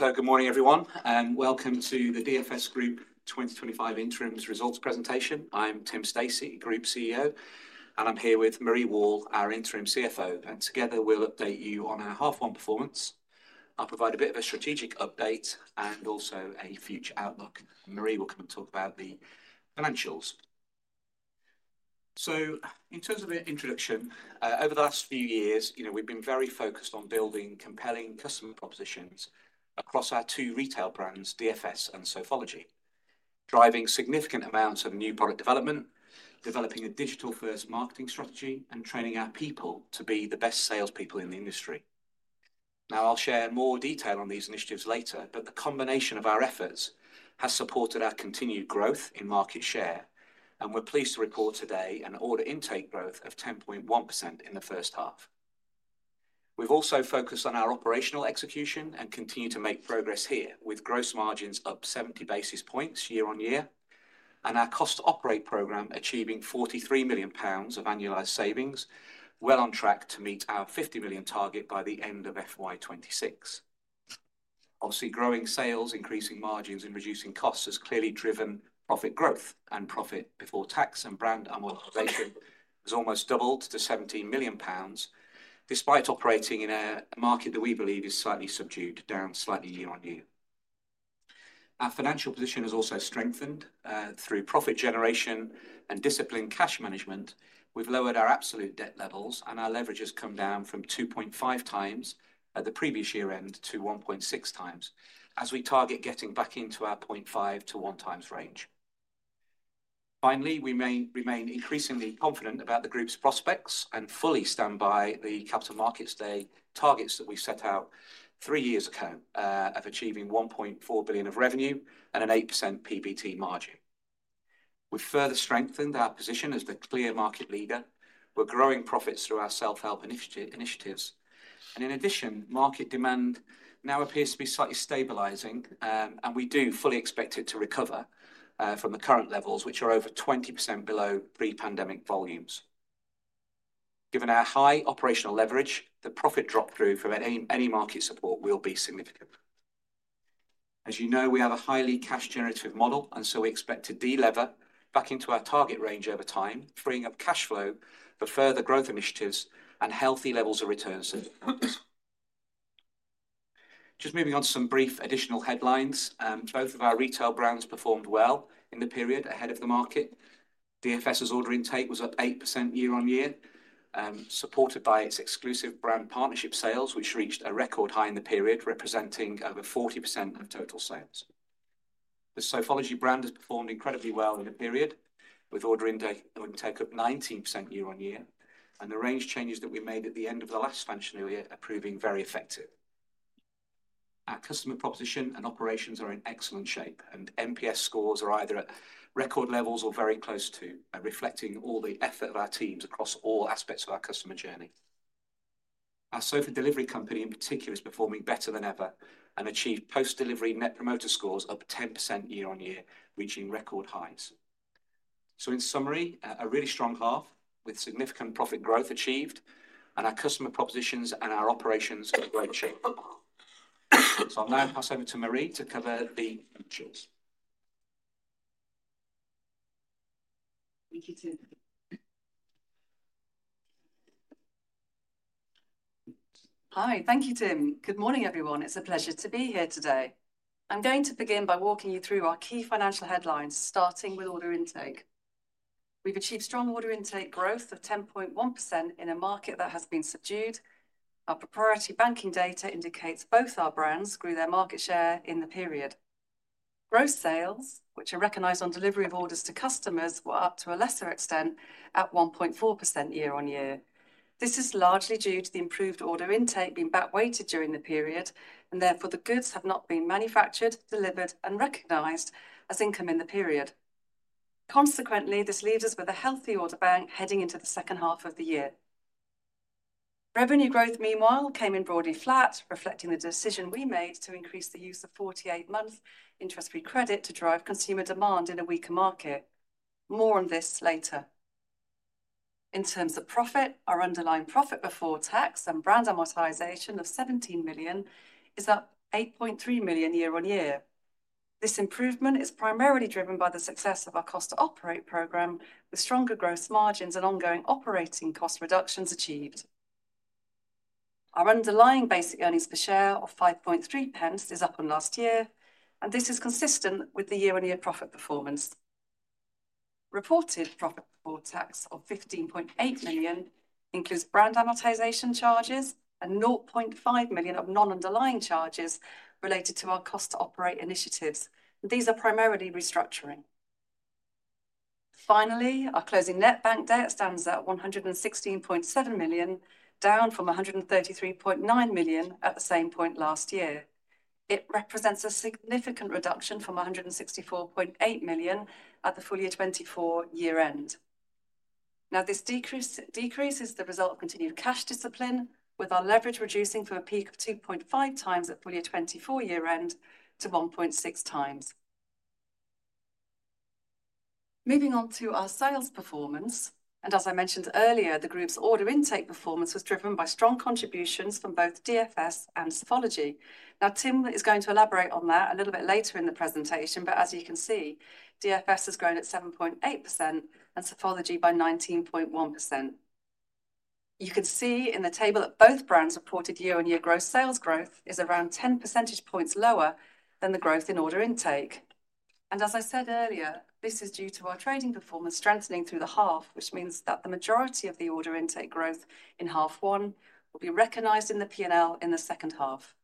Good morning, everyone, and welcome to the DFS Group 2025 Interim Results Presentation. I'm Tim Stacey, Group CEO, and I'm here with Marie Wall, our Interim CFO. Together, we'll update you on our half-month performance. I'll provide a bit of a strategic update and also a future outlook. Marie will come and talk about the financials. In terms of the introduction, over the last few years, we've been very focused on building compelling customer propositions across our two retail brands, DFS and Sofology, driving significant amounts of new product development, developing a digital-first marketing strategy, and training our people to be the best salespeople in the industry. I'll share more detail on these initiatives later, but the combination of our efforts has supported our continued growth in market share, and we're pleased to report today an order intake growth of 10.1% in the first half. We've also focused on our operational execution and continue to make progress here, with gross margins up 70 bps year on year, and our Cost to Operate program achieving 43 million pounds of annualized savings, well on track to meet our 50 million target by the end of FY 2026. Obviously, growing sales, increasing margins, and reducing costs has clearly driven profit growth, and profit before tax and brand amortization has almost doubled to 17 million pounds, despite operating in a market that we believe is slightly subdued, down slightly year on year. Our financial position has also strengthened through profit generation and disciplined cash management. We've lowered our absolute debt levels, and our leverage has come down from 2.5 times at the previous year-end to 1.6 times, as we target getting back into our 0.5 to one times range. Finally, we remain increasingly confident about the Group's prospects and fully stand by the Capital Markets Day targets that we set out three years ago of achieving 1.4 billion of revenue and an 8% PBT margin. We have further strengthened our position as the clear market leader. We are growing profits through our self-help initiatives. In addition, market demand now appears to be slightly stabilizing, and we do fully expect it to recover from the current levels, which are over 20% below pre-pandemic volumes. Given our high operational leverage, the profit drop through from any market support will be significant. As you know, we have a highly cash-generative model, and we expect to delever back into our target range over time, freeing up cash flow for further growth initiatives and healthy levels of returns at the moment. Just moving on to some brief additional headlines. Both of our retail brands performed well in the period ahead of the market. DFS's order intake was up 8% year on year, supported by its exclusive brand partnership sales, which reached a record high in the period, representing over 40% of total sales. The Sofology brand has performed incredibly well in the period, with order intake up 19% year on year, and the range changes that we made at the end of the last financial year are proving very effective. Our customer proposition and operations are in excellent shape, and NPS scores are either at record levels or very close to, reflecting all the effort of our teams across all aspects of our customer journey. Our Sofa Delivery Company, in particular, is performing better than ever and achieved post-delivery Net Promoter Scores up 10% year on year, reaching record highs. In summary, a really strong half with significant profit growth achieved, and our customer propositions and our operations are in great shape. I'll now pass over to Marie to cover the financials. Thank you, Tim. Hi, thank you, Tim. Good morning, everyone. It's a pleasure to be here today. I'm going to begin by walking you through our key financial headlines, starting with order intake. We've achieved strong order intake growth of 10.1% in a market that has been subdued. Our proprietary banking data indicates both our brands grew their market share in the period. Gross sales, which are recognized on delivery of orders to customers, were up to a lesser extent at 1.4% year on year. This is largely due to the improved order intake being back-weighted during the period, and therefore the goods have not been manufactured, delivered, and recognized as income in the period. Consequently, this leaves us with a healthy order bank heading into the second half of the year. Revenue growth, meanwhile, came in broadly flat, reflecting the decision we made to increase the use of 48-month interest-free credit to drive consumer demand in a weaker market. More on this later. In terms of profit, our underlying profit before tax and brand amortization of 17 million is up 8.3 million year on year. This improvement is primarily driven by the success of our Cost to Operate program, with stronger gross margins and ongoing operating cost reductions achieved. Our underlying basic earnings per share of 5.3 pence is up from last year, and this is consistent with the year-on-year profit performance. Reported profit before tax of 15.8 million includes brand amortization charges and 0.5 million of non-underlying charges related to our Cost to Operate initiatives. These are primarily restructuring. Finally, our closing net bank debt stands at 116.7 million, down from 133.9 million at the same point last year. It represents a significant reduction from 164.8 million at the full year 2024 year-end. Now, this decrease is the result of continued cash discipline, with our leverage reducing from a peak of 2.5 times at full year 2024 year-end to 1.6 times. Moving on to our sales performance, and as I mentioned earlier, the Group's order intake performance was driven by strong contributions from both DFS and Sofology. Now, Tim is going to elaborate on that a little bit later in the presentation, but as you can see, DFS has grown at 7.8% and Sofology by 19.1%. You can see in the table that both brands reported year-on-year gross sales growth is around 10 percentage points lower than the growth in order intake. As I said earlier, this is due to our trading performance strengthening through the half, which means that the majority of the order intake growth in half one will be recognized in the P&L in the second half.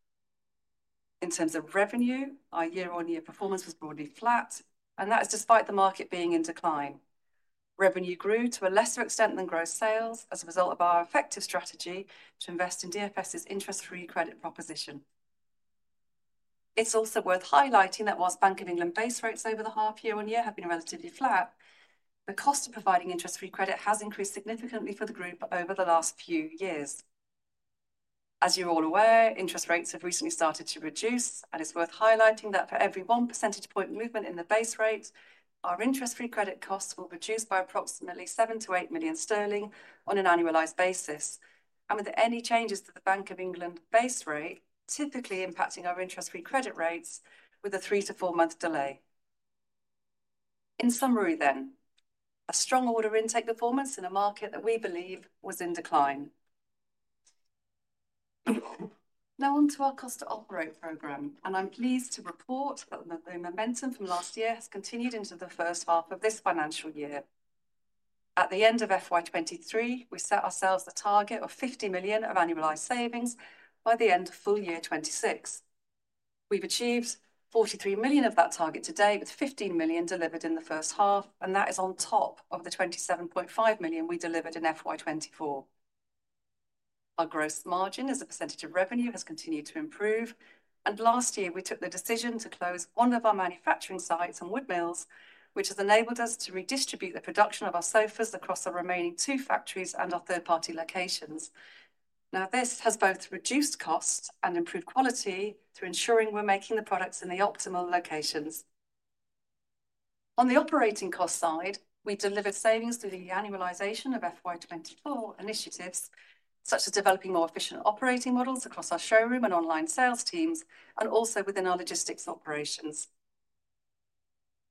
In terms of revenue, our year-on-year performance was broadly flat, and that is despite the market being in decline. Revenue grew to a lesser extent than gross sales as a result of our effective strategy to invest in DFS's interest-free credit proposition. It's also worth highlighting that whilst Bank of England base rates over the half year-on-year have been relatively flat, the cost of providing interest-free credit has increased significantly for the Group over the last few years. As you're all aware, interest rates have recently started to reduce, and it's worth highlighting that for every one percentage point movement in the base rate, our interest-free credit costs will reduce by approximately 7 million to 8 million sterling on an annualized basis, and with any changes to the Bank of England base rate typically impacting our interest-free credit rates with a three to four-month delay. In summary then, a strong order intake performance in a market that we believe was in decline. Now on to our Cost to Operate program, and I'm pleased to report that the momentum from last year has continued into the first half of this financial year. At the end of 2023, we set ourselves a target of 50 million of annualized savings by the end of full year 2026. We've achieved 43 million of that target today, with 15 million delivered in the first half, and that is on top of the 27.5 million we delivered in FY 2024. Our gross margin as a percentage of revenue has continued to improve, and last year we took the decision to close one of our manufacturing sites and wood mills, which has enabled us to redistribute the production of our sofas across our remaining two factories and our third-party locations. This has both reduced costs and improved quality through ensuring we're making the products in the optimal locations. On the operating cost side, we delivered savings through the annualisation of FY 2024 initiatives, such as developing more efficient operating models across our showroom and online sales teams, and also within our logistics operations.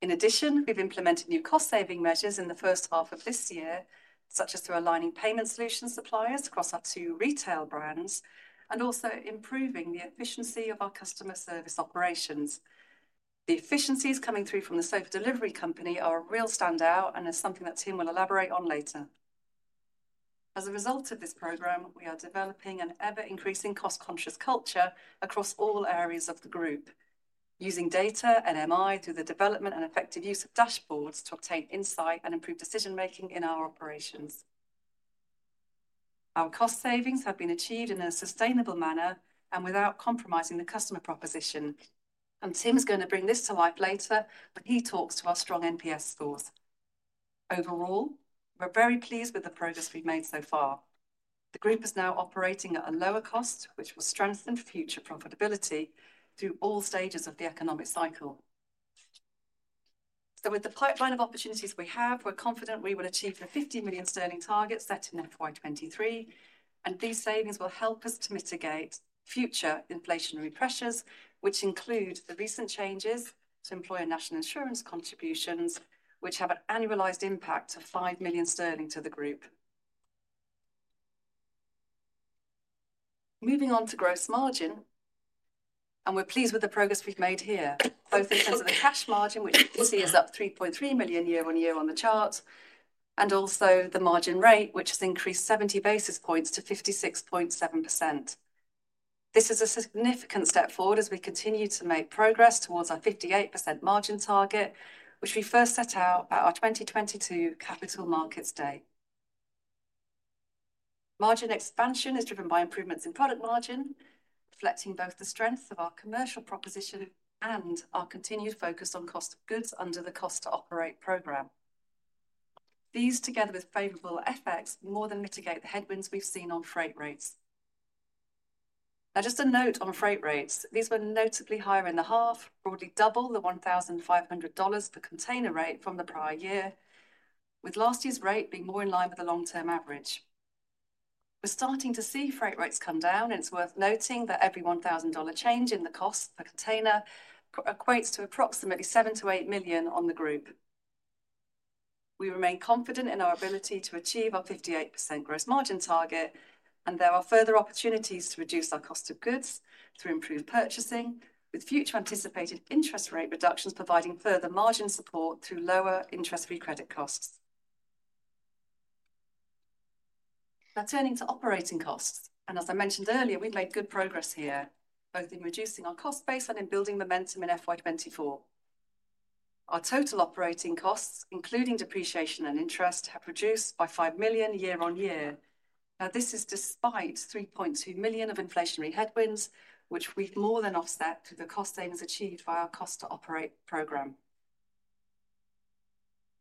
In addition, we've implemented new cost-saving measures in the first half of this year, such as through aligning payment solution suppliers across our two retail brands and also improving the efficiency of our customer service operations. The efficiencies coming through from the Sofa Delivery Company are a real standout and are something that Tim will elaborate on later. As a result of this program, we are developing an ever-increasing cost-conscious culture across all areas of the Group, using data and MI through the development and effective use of dashboards to obtain insight and improve decision-making in our operations. Our cost savings have been achieved in a sustainable manner and without compromising the customer proposition, and Tim is going to bring this to life later when he talks to our strong NPS scores. Overall, we're very pleased with the progress we've made so far. The Group is now operating at a lower cost, which will strengthen future profitability through all stages of the economic cycle. With the pipeline of opportunities we have, we're confident we will achieve the 50 million sterling target set in FY 2023, and these savings will help us to mitigate future inflationary pressures, which include the recent changes to employer National Insurance contributions, which have an annualized impact of 5 million sterling to the Group. Moving on to gross margin, we're pleased with the progress we've made here, both in terms of the cash margin, which you can see is up 3.3 million year-on-year on the chart, and also the margin rate, which has increased 70 bps to 56.7%. This is a significant step forward as we continue to make progress towards our 58% margin target, which we first set out at our 2022 Capital Markets Day. Margin expansion is driven by improvements in product margin, reflecting both the strength of our commercial proposition and our continued focus on cost of goods under the Cost-to-Operate program. These, together with favorable effects, more than mitigate the headwinds we've seen on freight rates. Now, just a note on freight rates. These were notably higher in the half, broadly double the $1,500 per container rate from the prior year, with last year's rate being more in line with the long-term average. We're starting to see freight rates come down, and it's worth noting that every $1,000 change in the cost per container equates to approximately 7 million to 8 million on the Group. We remain confident in our ability to achieve our 58% gross margin target, and there are further opportunities to reduce our cost of goods through improved purchasing, with future anticipated interest rate reductions providing further margin support through lower interest-free credit costs. Now, turning to operating costs, and as I mentioned earlier, we've made good progress here, both in reducing our cost base and in building momentum in FY 2024. Our total operating costs, including depreciation and interest, have reduced by 5 million year-on-year. Now, this is despite 3.2 million of inflationary headwinds, which we've more than offset through the cost savings achieved via our Cost to Operate program.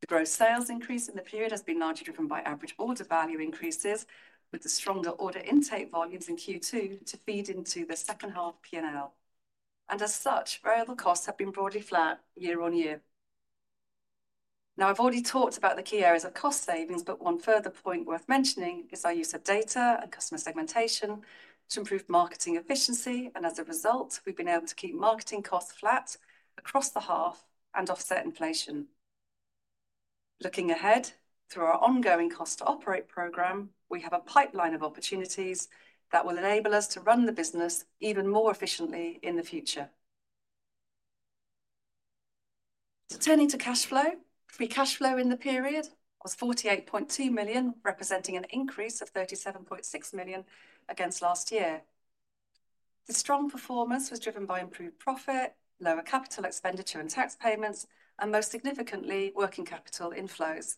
The gross sales increase in the period has been largely driven by average order value increases, with the stronger order intake volumes in Q2 to feed into the second half P&L. As such, variable costs have been broadly flat year-on-year. Now, I've already talked about the key areas of cost savings, but one further point worth mentioning is our use of data and customer segmentation to improve marketing efficiency, and as a result, we've been able to keep marketing costs flat across the half and offset inflation. Looking ahead through our ongoing Cost-to-Operate program, we have a pipeline of opportunities that will enable us to run the business even more efficiently in the future. Turning to cash flow, free cash flow in the period was 48.2 million, representing an increase of 37.6 million against last year. The strong performance was driven by improved profit, lower capital expenditure and tax payments, and most significantly, working capital inflows.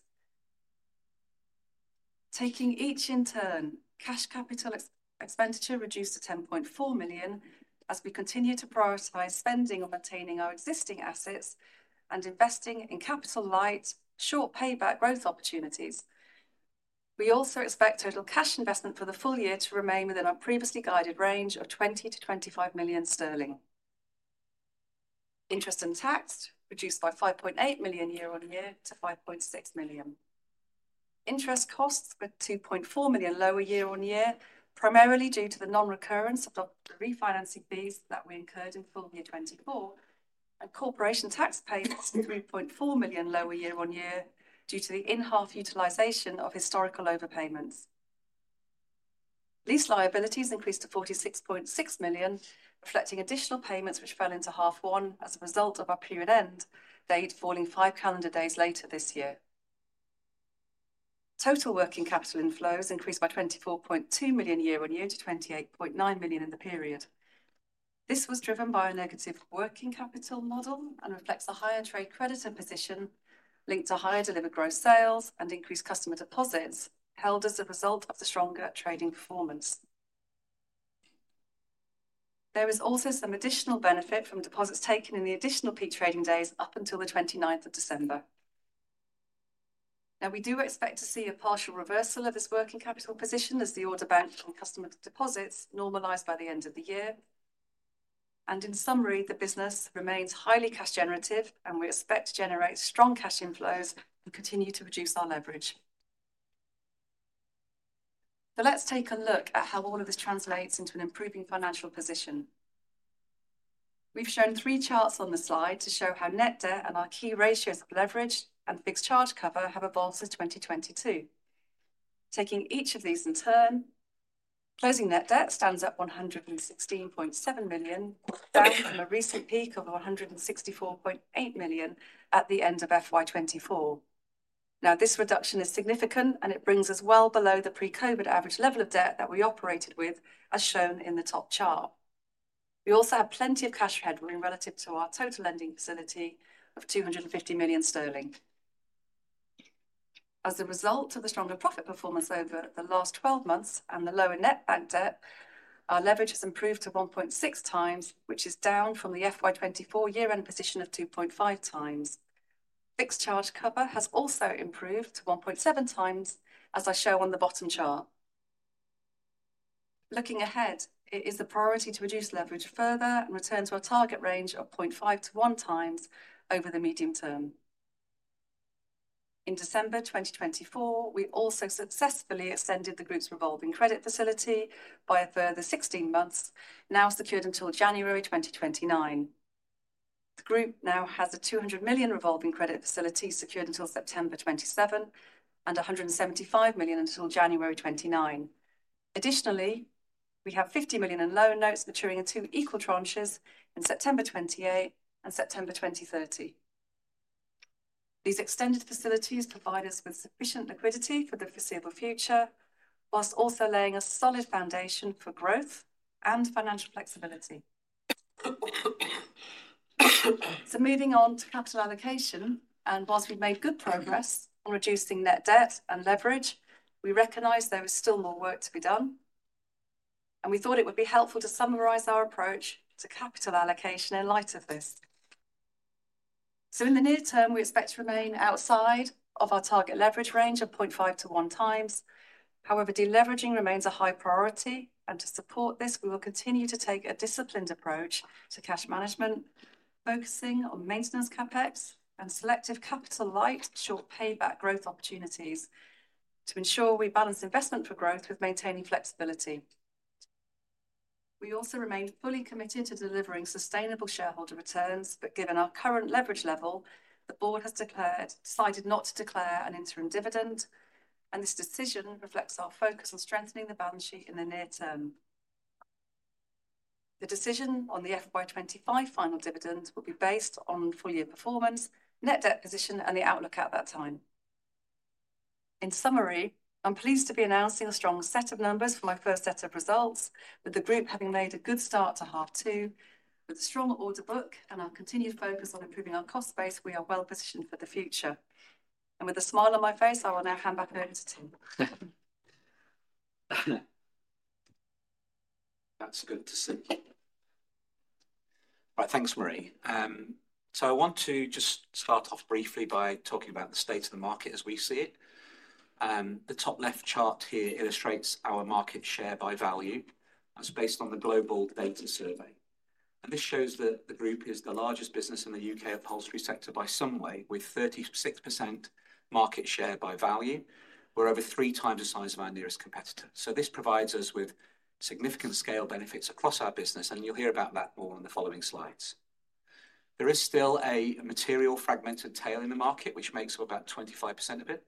Taking each in turn, cash capital expenditure reduced to 10.4 million as we continue to prioritize spending on maintaining our existing assets and investing in capital light, short payback growth opportunities. We also expect total cash investment for the full year to remain within our previously guided range of 20 million to 25 million. Interest and tax reduced by 5.8 million year-on-year to 5.6 million. Interest costs were 2.4 million lower year-on-year, primarily due to the non-recurrence of the refinancing fees that we incurred in full year 2024, and corporation tax payments were 3.4 million lower year-on-year due to the in-half utilisation of historical overpayments. Lease liabilities increased to 46.6 million, reflecting additional payments which fell into half one as a result of our period end date, falling five calendar days later this year. Total working capital inflows increased by 24.2 million year-on-year to 28.9 million in the period. This was driven by a negative working capital model and reflects a higher trade creditor position linked to higher delivered gross sales and increased customer deposits held as a result of the stronger trading performance. There is also some additional benefit from deposits taken in the additional peak trading days up until the 29th December. We do expect to see a partial reversal of this working capital position as the order bank and customer deposits normalize by the end of the year. In summary, the business remains highly cash generative, and we expect to generate strong cash inflows and continue to reduce our leverage. Now, let's take a look at how all of this translates into an improving financial position. We've shown three charts on the slide to show how net debt and our key ratios of leverage and fixed charge cover have evolved since 2022. Taking each of these in turn, closing net debt stands at 116.7 million, down from a recent peak of 164.8 million at the end of 2024. Now, this reduction is significant, and it brings us well below the pre-COVID average level of debt that we operated with, as shown in the top chart. We also have plenty of cash headroom relative to our total lending facility of 250 million sterling. As a result of the stronger profit performance over the last 12 months and the lower net bank debt, our leverage has improved to 1.6 times, which is down from the 2024 year-end position of 2.5 times. Fixed charge cover has also improved to 1.7 times, as I show on the bottom chart. Looking ahead, it is a priority to reduce leverage further and return to a target range of 0.5 to one times over the medium term. In December 2024, we also successfully extended the Group's revolving credit facility by a further 16 months, now secured until January 2029. The Group now has a 200 million revolving credit facility secured until September 2027 and 175 million until January 2029. Additionally, we have 50 million in loan notes maturing in two equal tranches in September 2028 and September 2030. These extended facilities provide us with sufficient liquidity for the foreseeable future, whilst also laying a solid foundation for growth and financial flexibility. Moving on to capital allocation, and whilst we've made good progress on reducing net debt and leverage, we recognize there is still more work to be done, and we thought it would be helpful to summarize our approach to capital allocation in light on this. In the near term, we expect to remain outside of our target leverage range of 0.5 to one times. However, deleveraging remains a high priority, and to support this, we will continue to take a disciplined approach to cash management, focusing on maintenance CapEx and selective capital light, short payback growth opportunities to ensure we balance investment for growth with maintaining flexibility. We also remain fully committed to delivering sustainable shareholder returns, but given our current leverage level, the Board has decided not to declare an interim dividend, and this decision reflects our focus on strengthening the balance sheet in the near term. The decision on the FY 2025 final dividend will be based on full year performance, net debt position, and the outlook at that time. In summary, I'm pleased to be announcing a strong set of numbers for my first set of results, with the Group having made a good start to half two, with a strong order book, and our continued focus on improving our cost base. We are well positioned for the future, and with a smile on my face, I will now hand back over to Tim. That's good to see. Right, thanks, Marie. I want to just start off briefly by talking about the state of the market as we see it. The top left chart here illustrates our market share by value. That's based on the GlobalData survey, and this shows that the Group is the largest business in the U.K. upholstery sector by some way, with 36% market share by value. We're over three times the size of our nearest competitor, so this provides us with significant scale benefits across our business, and you'll hear about that more on the following slides. There is still a material fragmented tail in the market, which makes up about 25% of it.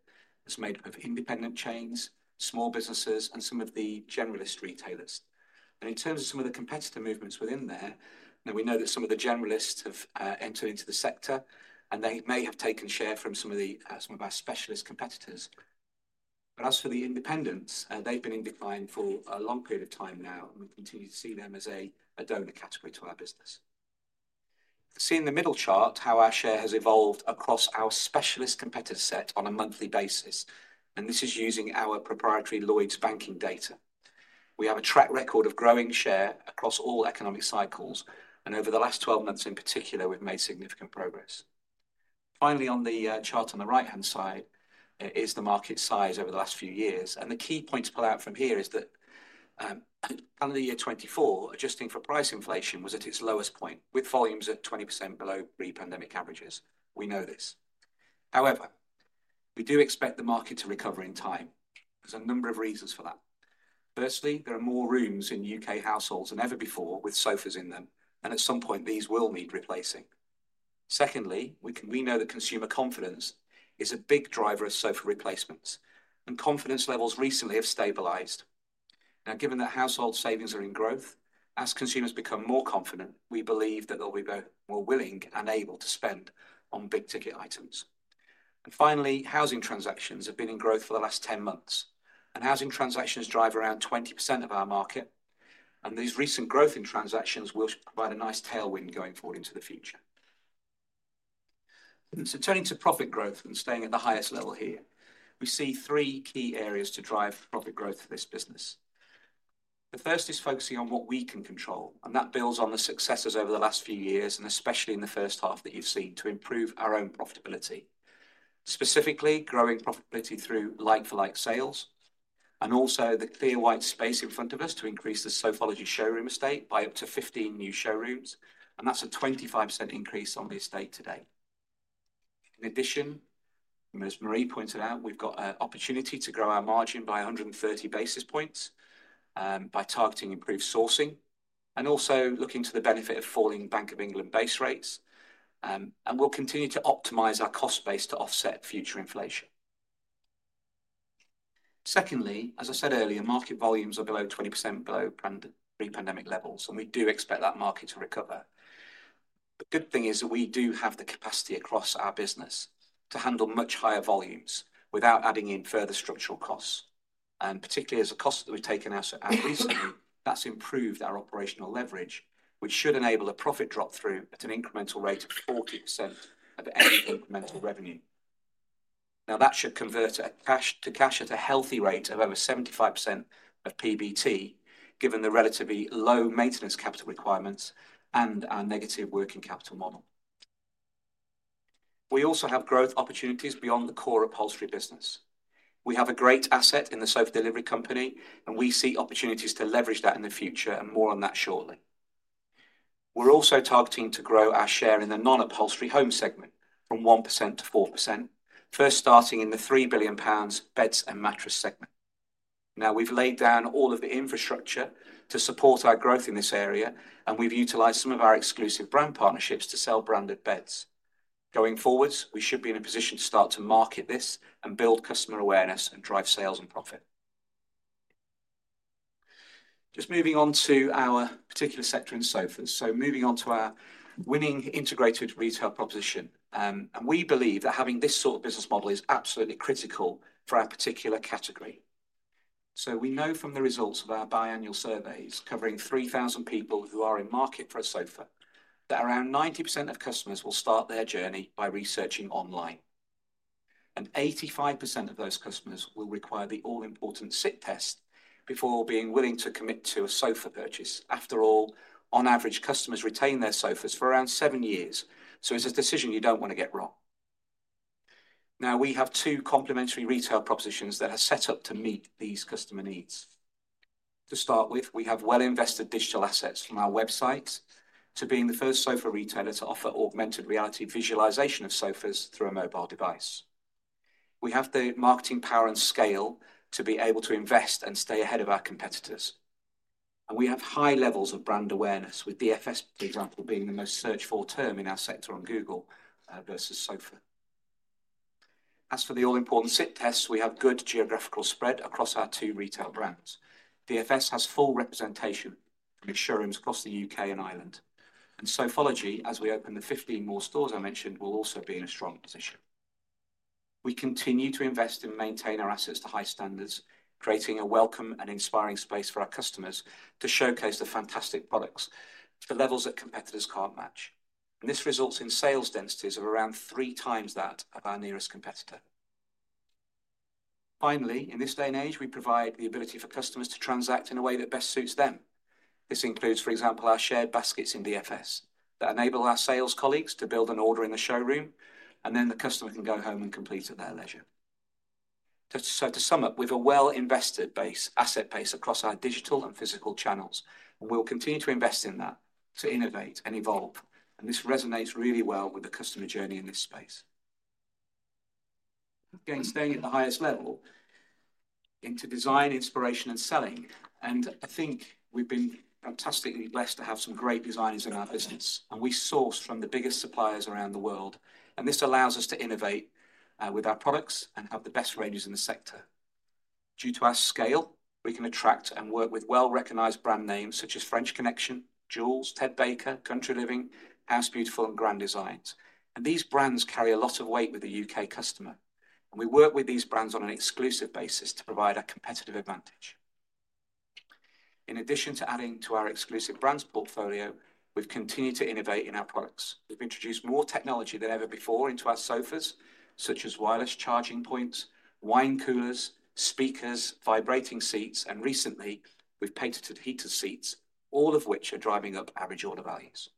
It's made up of independent chains, small businesses, and some of the generalist retailers. In terms of some of the competitor movements within there, we know that some of the generalists have entered into the sector, and they may have taken share from some of our specialist competitors. As for the independents, they've been in decline for a long period of time now, and we continue to see them as a donor category to our business. See in the middle chart how our share has evolved across our specialist competitor set on a monthly basis, and this is using our proprietary Lloyds Bank data. We have a track record of growing share across all economic cycles, and over the last 12 months in particular, we've made significant progress. Finally, on the chart on the right-hand side, it is the market size over the last few years, and the key point to pull out from here is that the year 2024, adjusting for price inflation, was at its lowest point, with volumes at 20% below pre-pandemic averages. We know this. However, we do expect the market to recover in time. There are a number of reasons for that. Firstly, there are more rooms in U.K. households than ever before with sofas in them, and at some point, these will need replacing. Secondly, we know that consumer confidence is a big driver of Sofa replacements, and confidence levels recently have stabilized. Now, given that household savings are in growth, as consumers become more confident, we believe that they'll be more willing and able to spend on big ticket items. Finally, housing transactions have been in growth for the last 10 months, and housing transactions drive around 20% of our market, and these recent growth in transactions will provide a nice tailwind going forward into the future. Turning to profit growth and staying at the highest level here, we see three key areas to drive profit growth for this business. The first is focusing on what we can control, and that builds on the successes over the last few years, and especially in the first half that you've seen, to improve our own profitability. Specifically, growing profitability through like-for-like sales, and also the clear white space in front of us to increase the Sofology showroom estate by up to 15 new showrooms, and that's a 25% increase on the estate today. In addition, as Marie pointed out, we've got an opportunity to grow our margin by 130 bps by targeting improved sourcing, and also looking to the benefit of falling Bank of England base rates, and we'll continue to optimize our cost base to offset future inflation. Secondly, as I said earlier, market volumes are below 20% below pre-pandemic levels, and we do expect that market to recover. The good thing is that we do have the capacity across our business to handle much higher volumes without adding in further structural costs, and particularly as a cost that we've taken out recently, that's improved our operational leverage, which should enable a profit drop through at an incremental rate of 40% of any incremental revenue. Now, that should convert to cash at a healthy rate of over 75% of PBT, given the relatively low maintenance capital requirements and our negative working capital model. We also have growth opportunities beyond the core upholstery business. We have a great asset in the Sofa Delivery Company, and we see opportunities to leverage that in the future, and more on that shortly. We are also targeting to grow our share in the non-upholstery home segment from 1% to 4%, first starting in the 3 billion pounds beds and mattresses segment. Now, we have laid down all of the infrastructure to support our growth in this area, and we have utilized some of our exclusive brand partnerships to sell branded beds. Going forwards, we should be in a position to start to market this and build customer awareness and drive sales and profit. Just moving on to our particular sector in sofas. Moving on to our winning integrated retail proposition, we believe that having this sort of business model is absolutely critical for our particular category. We know from the results of our biannual surveys covering 3,000 people who are in market for a Sofa that around 90% of customers will start their journey by researching online, and 85% of those customers will require the all-important sit test before being willing to commit to a Sofa purchase. After all, on average, customers retain their sofas for around seven years, so it's a decision you do not want to get wrong. Now, we have two complementary retail propositions that are set up to meet these customer needs. To start with, we have well-invested digital assets from our website to being the first Sofa retailer to offer augmented reality visualisation of sofas through a mobile device. We have the marketing power and scale to be able to invest and stay ahead of our competitors, and we have high levels of brand awareness, with DFS, for example, being the most searched-for term in our sector on Google versus Sofa. As for the all-important sit tests, we have good geographical spread across our two retail brands. DFS has full representation from showrooms across the U.K. and Ireland, and Sofology, as we open the 15 more stores I mentioned, will also be in a strong position. We continue to invest and maintain our assets to high standards, creating a welcome and inspiring space for our customers to showcase the fantastic products to levels that competitors can't match, and this results in sales densities of around three times that of our nearest competitor. Finally, in this day and age, we provide the ability for customers to transact in a way that best suits them. This includes, for example, our shared baskets in DFS that enable our sales colleagues to build an order in the showroom, and then the customer can go home and complete at their leisure. To sum up, we have a well-invested asset base across our digital and physical channels, and we'll continue to invest in that to innovate and evolve, and this resonates really well with the customer journey in this space. Again, staying at the highest level into design, inspiration, and selling, and I think we've been fantastically blessed to have some great designers in our business, and we source from the biggest suppliers around the world, and this allows us to innovate with our products and have the best ranges in the sector. Due to our scale, we can attract and work with well-recognized brand names such as French Connection, Joules, Ted Baker, Country Living, House Beautiful, and Grand Designs, and these brands carry a lot of weight with the U.K. customer, and we work with these brands on an exclusive basis to provide a competitive advantage. In addition to adding to our exclusive brands portfolio, we've continued to innovate in our products. We've introduced more technology than ever before into our sofas, such as wireless charging points, wine coolers, speakers, vibrating seats, and recently, we've patented heated seats, all of which are driving up average order values.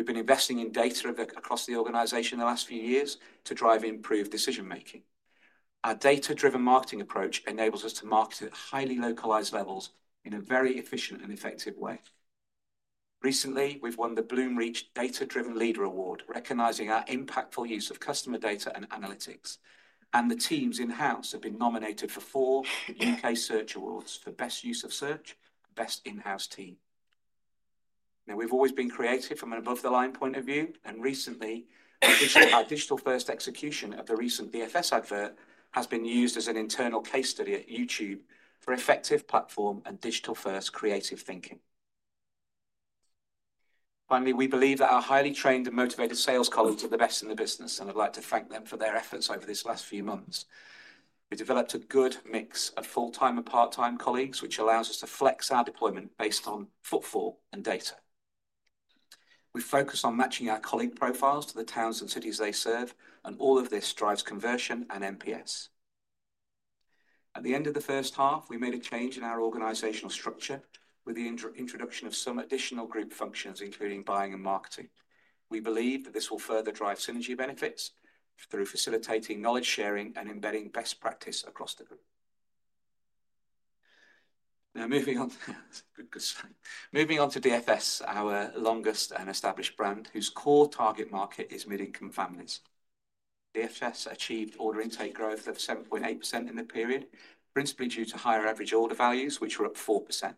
We've been investing in data across the organization the last few years to drive improved decision making. Our data-driven marketing approach enables us to market at highly localized levels in a very efficient and effective way. Recently, we've won the Bloomreach Data-Driven Leader Award, recognizing our impactful use of customer data and analytics, and the teams in-house have been nominated for four U.K. Search Awards for best use of search and best in-house team. We have always been creative from an above-the-line point of view, and recently, our digital-first execution of the recent DFS advert has been used as an internal case study at YouTube for effective platform and digital-first creative thinking. Finally, we believe that our highly trained and motivated sales colleagues are the best in the business, and I'd like to thank them for their efforts over these last few months. We developed a good mix of full-time and part-time colleagues, which allows us to flex our deployment based on footfall and data. We focus on matching our colleague profiles to the towns and cities they serve, and all of this drives conversion and NPS. At the end of the first half, we made a change in our organizational structure with the introduction of some additional group functions, including buying and marketing. We believe that this will further drive synergy benefits through facilitating knowledge sharing and embedding best practice across the group. Now, moving on to DFS, our longest and established brand, whose core target market is mid-income families. DFS achieved order intake growth of 7.8% in the period, principally due to higher average order values, which were up 4%.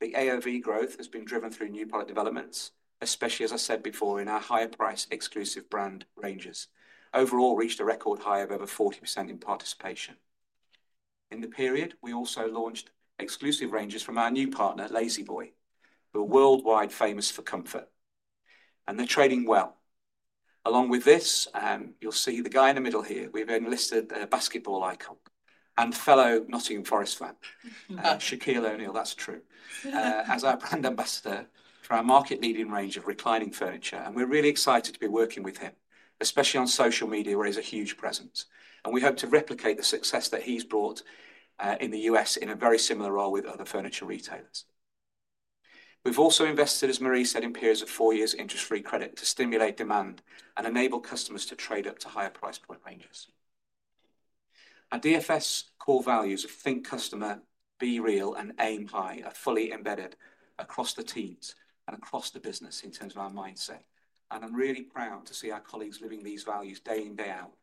The AOV growth has been driven through new product developments, especially, as I said before, in our higher price exclusive brand ranges. Overall, we reached a record high of over 40% in participation. In the period, we also launched exclusive ranges from our new partner, La-Z-Boy, who are worldwide famous for comfort, and they're trading well. Along with this, you'll see the guy in the middle here. We've enlisted a basketball icon and fellow Nottingham Forest fan, Shaquille O'Neal. That's true, as our brand ambassador for our market leading range of reclining furniture, and we're really excited to be working with him, especially on social media, where he's a huge presence, and we hope to replicate the success that he's brought in the U.S. in a very similar role with other furniture retailers. We've also invested, as Marie said, in periods of four years' interest-free credit to stimulate demand and enable customers to trade up to higher price point ranges. Our DFS core values of think customer, be real, and aim high are fully embedded across the teams and across the business in terms of our mindset, and I'm really proud to see our colleagues living these values day in, day out,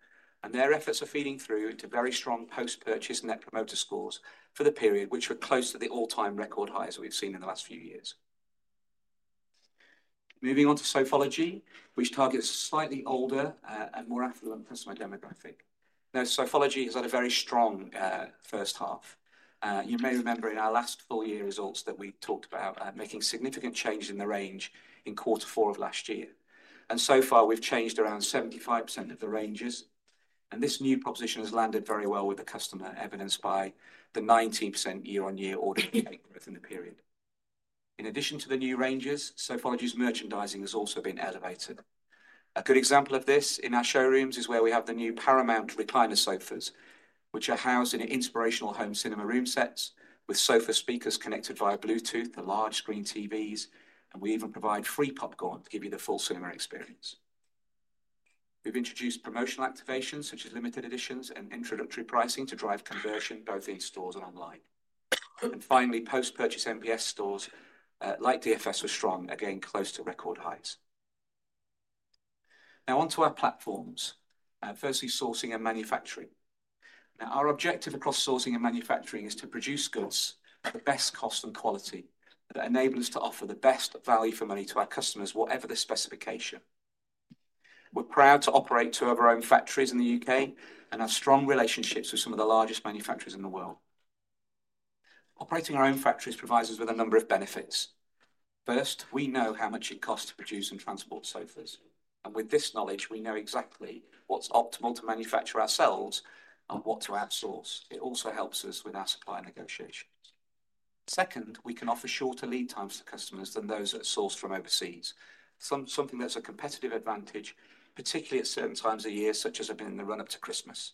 and their efforts are feeding through into very strong post-purchase Net Promoter Scores for the period, which are close to the all-time record highs we've seen in the last few years. Moving on to Sofology, which targets slightly older and more affluent customer demographic. Now, Sofology has had a very strong first half. You may remember in our last full year results that we talked about making significant changes in the range in quarter four of last year, and so far, we've changed around 75% of the ranges, and this new proposition has landed very well with the customer, evidenced by the 19% year-on-year order intake growth in the period. In addition to the new ranges, Sofology's merchandising has also been elevated. A good example of this in our showrooms is where we have the new Paramount recliner sofas, which are housed in inspirational home cinema room sets with Sofa speakers connected via Bluetooth to large screen TVs, and we even provide free popcorn to give you the full cinema experience. We've introduced promotional activations such as limited editions and introductory pricing to drive conversion both in stores and online, and finally, post-purchase NPS scores like DFS were strong, again close to record highs. Now, onto our platforms, firstly sourcing and manufacturing. Now, our objective across sourcing and manufacturing is to produce goods at the best cost and quality that enables us to offer the best value for money to our customers, whatever the specification. We're proud to operate two of our own factories in the U.K. and have strong relationships with some of the largest manufacturers in the world. Operating our own factories provides us with a number of benefits. First, we know how much it costs to produce and transport sofas, and with this knowledge, we know exactly what's optimal to manufacture ourselves and what to outsource. It also helps us with our supply negotiations. Second, we can offer shorter lead times for customers than those that are sourced from overseas, something that's a competitive advantage, particularly at certain times of the year, such as in the run-up to Christmas.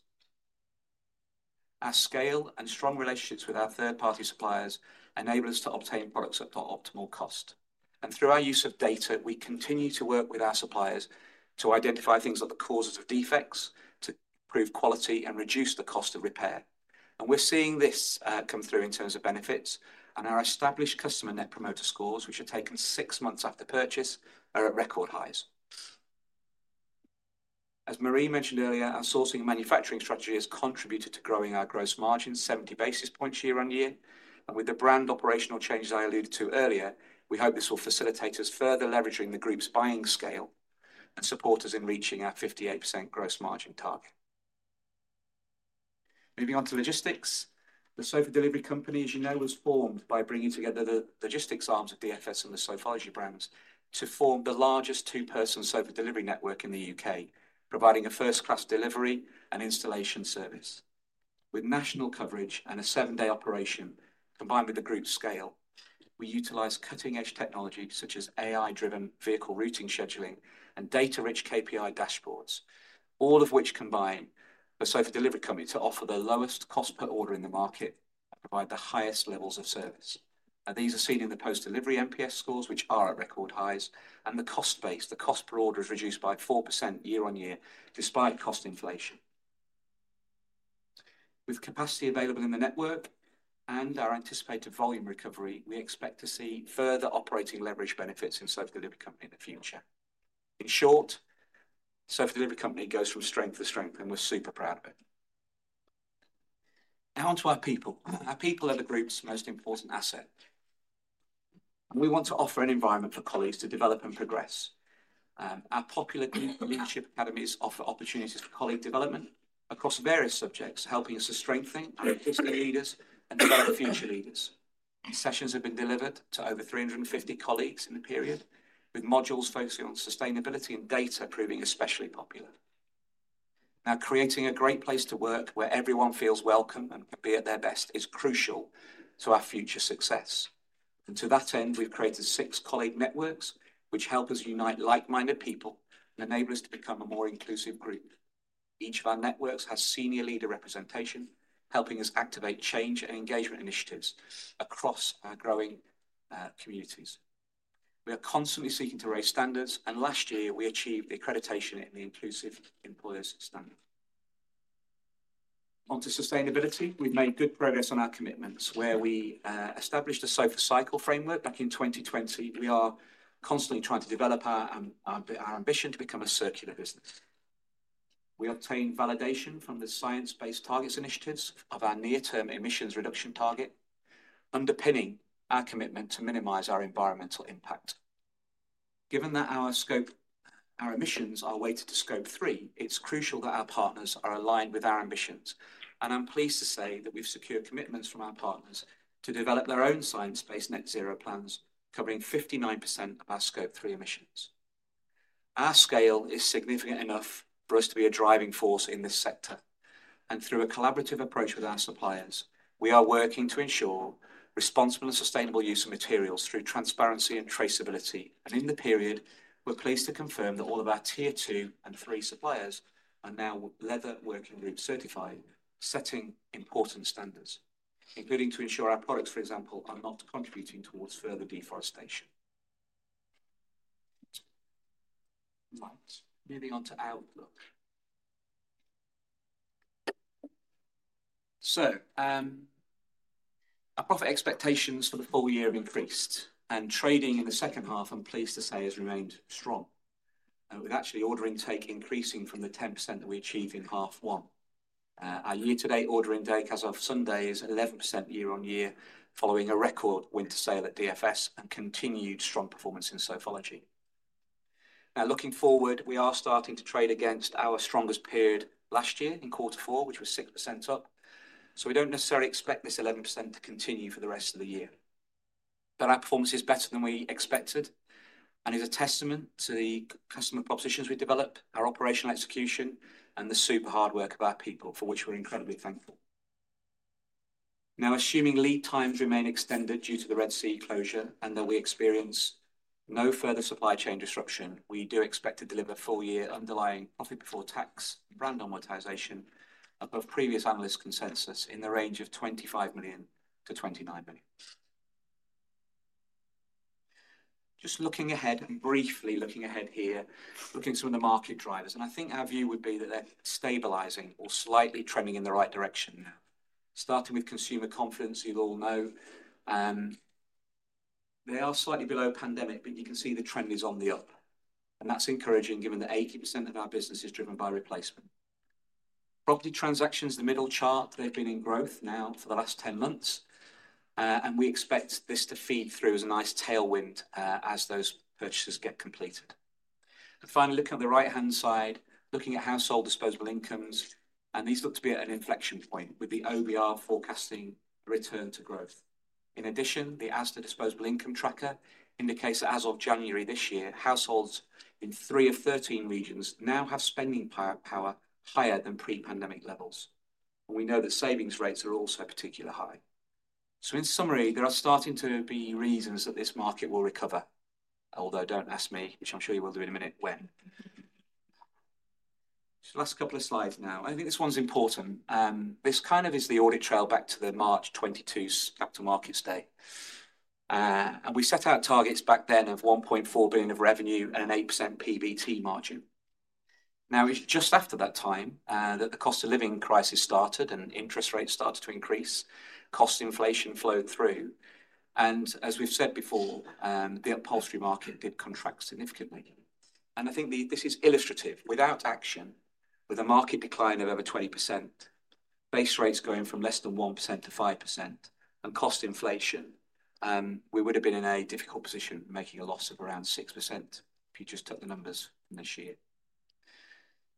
Our scale and strong relationships with our third-party suppliers enable us to obtain products at optimal cost, and through our use of data, we continue to work with our suppliers to identify things that are the causes of defects to improve quality and reduce the cost of repair, and we're seeing this come through in terms of benefits, and our established customer Net Promoter Scores, which are taken six months after purchase, are at record highs. As Marie mentioned earlier, our sourcing and manufacturing strategy has contributed to growing our gross margin 70 bps year-on-year, and with the brand operational changes I alluded to earlier, we hope this will facilitate us further leveraging the group's buying scale and support us in reaching our 58% gross margin target. Moving on to logistics, the Sofa Delivery Company, as you know, was formed by bringing together the logistics arms of DFS and the Sofology brands to form the largest two-person Sofa delivery network in the U.K., providing a first-class delivery and installation service with national coverage and a seven-day operation. Combined with the group's scale, we utilize cutting-edge technology such as AI-driven vehicle routing scheduling and data-rich KPI dashboards, all of which combine the Sofa Delivery Company to offer the lowest cost per order in the market and provide the highest levels of service. Now, these are seen in the post-delivery NPS scores, which are at record highs, and the cost base, the cost per order, is reduced by 4% year-on-year despite cost inflation. With capacity available in the network and our anticipated volume recovery, we expect to see further operating leverage benefits in Sofa Delivery Company in the future. In short, Sofa Delivery Company goes from strength to strength, and we're super proud of it. Now, onto our people. Our people are the group's most important asset, and we want to offer an environment for colleagues to develop and progress. Our popular group leadership academies offer opportunities for colleague development across various subjects, helping us to strengthen and assist our leaders and develop future leaders. Sessions have been delivered to over 350 colleagues in the period, with modules focusing on sustainability and data proving especially popular. Now, creating a great place to work where everyone feels welcome and can be at their best is crucial to our future success, and to that end, we've created six colleague networks, which help us unite like-minded people and enable us to become a more inclusive group. Each of our networks has senior leader representation, helping us activate change and engagement initiatives across our growing communities. We are constantly seeking to raise standards, and last year, we achieved the accreditation in the Inclusive Employers Standard. Onto sustainability, we've made good progress on our commitments, where we established a Sofa Cycle framework back in 2020. We are constantly trying to develop our ambition to become a circular business. We obtain validation from the Science Based Targets initiative of our near-term emissions reduction target, underpinning our commitment to minimise our environmental impact. Given that our scope, our emissions are weighted to Scope 3, it's crucial that our partners are aligned with our ambitions, and I'm pleased to say that we've secured commitments from our partners to develop their own science-based net zero plans covering 59% of our Scope 3 emissions. Our scale is significant enough for us to be a driving force in this sector, and through a collaborative approach with our suppliers, we are working to ensure responsible and sustainable use of materials through transparency and traceability, and in the period, we're pleased to confirm that all of our tier two and three suppliers are now Leather Working Group certified, setting important standards, including to ensure our products, for example, are not contributing towards further deforestation. Right, moving on to outlook. Our profit expectations for the full year have increased, and trading in the second half, I'm pleased to say, has remained strong, with actually order intake increasing from the 10% that we achieved in half one. Our year-to-date order intake as of Sunday is 11% year-on-year, following a record winter sale at DFS and continued strong performance in Sofology. Now, looking forward, we are starting to trade against our strongest period last year in quarter four, which was 6% up, so we do not necessarily expect this 11% to continue for the rest of the year, but our performance is better than we expected and is a testament to the customer propositions we develop, our operational execution, and the super hard work of our people, for which we're incredibly thankful. Now, assuming lead times remain extended due to the Red Sea closure and that we experience no further supply chain disruption, we do expect to deliver full-year underlying profit before tax brand amortization above previous analyst consensus in the range of 25 million to 29 million. Just looking ahead and briefly looking ahead here, looking at some of the market drivers, and I think our view would be that they're stabilizing or slightly trending in the right direction now, starting with consumer confidence. You'll all know they are slightly below pandemic, but you can see the trend is on the up, and that's encouraging given that 80% of our business is driven by replacement. Property transactions, the middle chart, they've been in growth now for the last 10 months, and we expect this to feed through as a nice tailwind as those purchases get completed. Finally, looking at the right-hand side, looking at household disposable incomes, and these look to be at an inflection point with the OBR forecasting return to growth. In addition, the Asda disposable income tracker indicates that as of January this year, households in three of 13 regions now have spending power higher than pre-pandemic levels, and we know that savings rates are also particularly high. In summary, there are starting to be reasons that this market will recover, although do not ask me, which I am sure you will do in a minute when. Just the last couple of slides now. I think this one is important. This kind of is the audit trail back to the March 2022 Capital Markets Day, and we set out targets back then of 1.4 billion of revenue and an 8% PBT margin. Now, it's just after that time that the cost of living crisis started and interest rates started to increase. Cost inflation flowed through, and as we've said before, the upholstery market did contract significantly, and I think this is illustrative without action, with a market decline of over 20%, base rates going from less than 1% to 5%, and cost inflation, we would have been in a difficult position making a loss of around 6% if you just took the numbers from this year.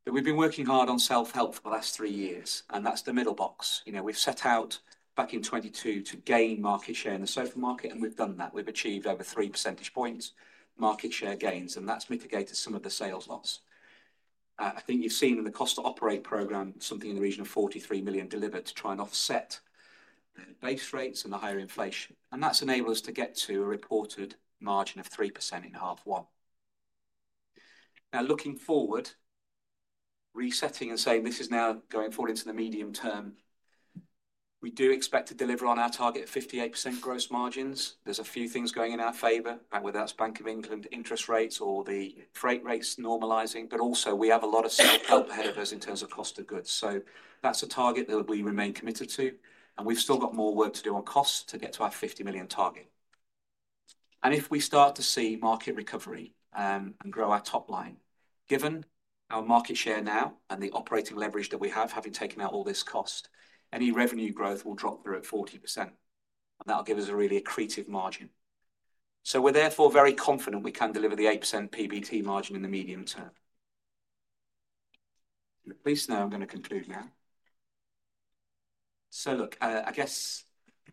We've been working hard on self-help for the last three years, and that's the middle box. You know, we set out back in 2022 to gain market share in the Sofa market, and we've done that. We've achieved over three percentage points market share gains, and that's mitigated some of the sales loss. I think you've seen in the Cost-to-Operate program something in the region of 43 million delivered to try and offset the base rates and the higher inflation, and that's enabled us to get to a reported margin of 3% in half one. Now, looking forward, resetting and saying this is now going forward into the medium term, we do expect to deliver on our target of 58% gross margins. There are a few things going in our favor, whether that's Bank of England interest rates or the freight rates normalizing, but also we have a lot of self-help ahead of us in terms of cost of goods, so that's a target that we remain committed to, and we've still got more work to do on costs to get to our 50 million target. If we start to see market recovery and grow our top line, given our market share now and the operating leverage that we have, having taken out all this cost, any revenue growth will drop through at 40%, and that'll give us a really accretive margin. We are therefore very confident we can deliver the 8% PBT margin in the medium term. Please know I'm going to conclude now. I guess,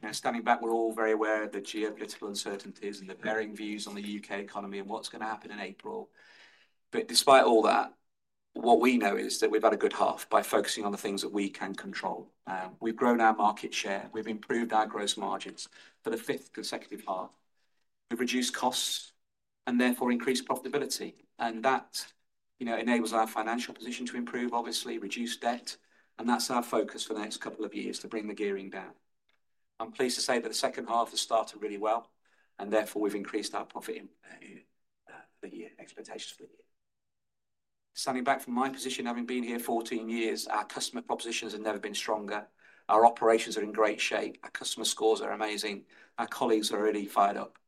you know, standing back, we're all very aware of the geopolitical uncertainties and the varying views on the U.K. economy and what's going to happen in April, but despite all that, what we know is that we've had a good half by focusing on the things that we can control. We've grown our market share. We've improved our gross margins for the fifth consecutive half. We've reduced costs and therefore increased profitability, and that, you know, enables our financial position to improve, obviously, reduce debt, and that's our focus for the next couple of years to bring the gearing down. I'm pleased to say that the second half has started really well, and therefore we've increased our profit in the year expectations for the year. Standing back from my position, having been here 14 years, our customer propositions have never been stronger. Our operations are in great shape. Our customer scores are amazing. Our colleagues are really fired up,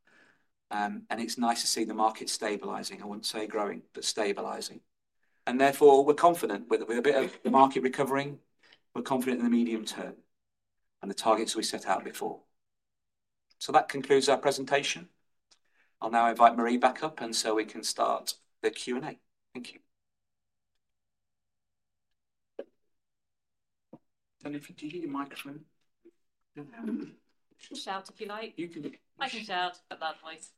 and it's nice to see the market stabilising. I wouldn't say growing, but stabilising, and therefore we're confident with a bit of the market recovering. We're confident in the medium term and the targets we set out before. That concludes our presentation. I'll now invite Marie back up, and so we can start the Q&A. Thank you. Can you give you the microphone? Should shout if you like. You can shout. About that voice.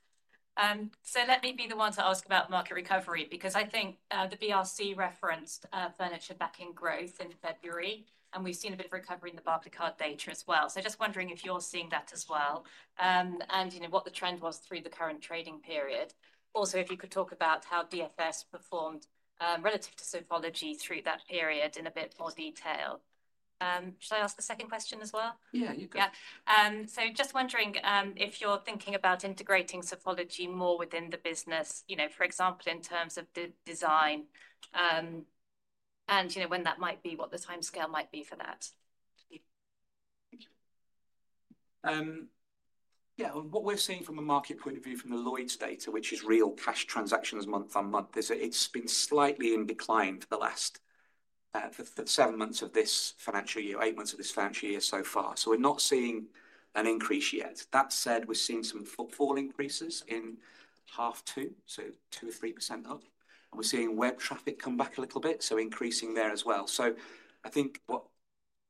Let me be the one to ask about the market recovery because I think the BRC referenced furniture back in growth in February, and we've seen a bit of recovery in the Barclaycard data as well. Just wondering if you're seeing that as well and, you know, what the trend was through the current trading period. Also, if you could talk about how DFS performed relative to Sofology through that period in a bit more detail. Should I ask the second question as well? Yeah, you can. Yeah. Just wondering if you're thinking about integrating Sofology more within the business, you know, for example, in terms of the design and, you know, when that might be, what the timescale might be for that. Thank you. Yeah, what we're seeing from a market point of view from the Lloyds data, which is real cash transactions month on month, is it's been slightly in decline for the last seven months of this financial year, eight months of this financial year so far. We're not seeing an increase yet. That said, we're seeing some footfall increases in half two, so 2% or 3% up, and we're seeing web traffic come back a little bit, so increasing there as well. I think what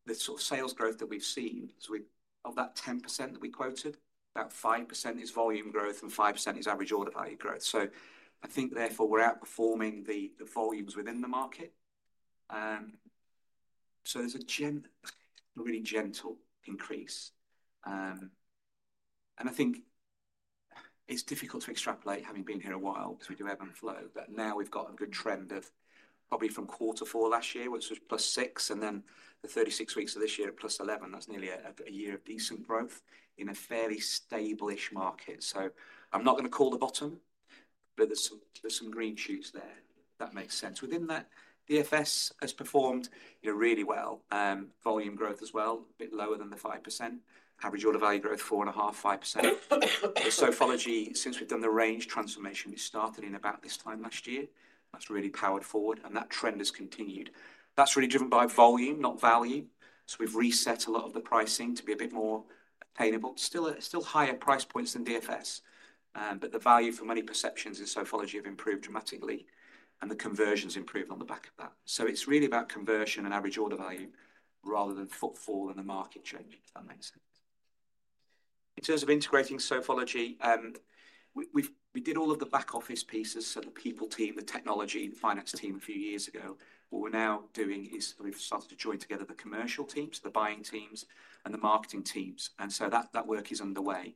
the sort of sales growth that we've seen is we've of that 10% that we quoted, about 5% is volume growth and 5% is average order value growth. I think therefore we're outperforming the volumes within the market. There is a really gentle increase, and I think it's difficult to extrapolate having been here a while because we do have an inflow, but now we've got a good trend of probably from quarter four last year, which was plus 6%, and then the 36 weeks of this year at plus 11%. That is nearly a year of decent growth in a fairly stable-ish market. I am not going to call the bottom, but there are some green shoots there that make sense. Within that, DFS has performed, you know, really well. Volume growth as well, a bit lower than the 5%. Average order value growth, 4.5% to 5%. The Sofology, since we've done the range transformation, we started in about this time last year. That has really powered forward, and that trend has continued. That is really driven by volume, not value. We've reset a lot of the pricing to be a bit more attainable. Still, still higher price points than DFS, but the value for money perceptions in Sofology have improved dramatically, and the conversion's improved on the back of that. It's really about conversion and average order value rather than footfall and the market change, if that makes sense. In terms of integrating Sofology, we did all of the back office pieces, so the people team, the technology, the finance team a few years ago. What we're now doing is we've started to join together the commercial teams, the buying teams, and the marketing teams, and that work is underway.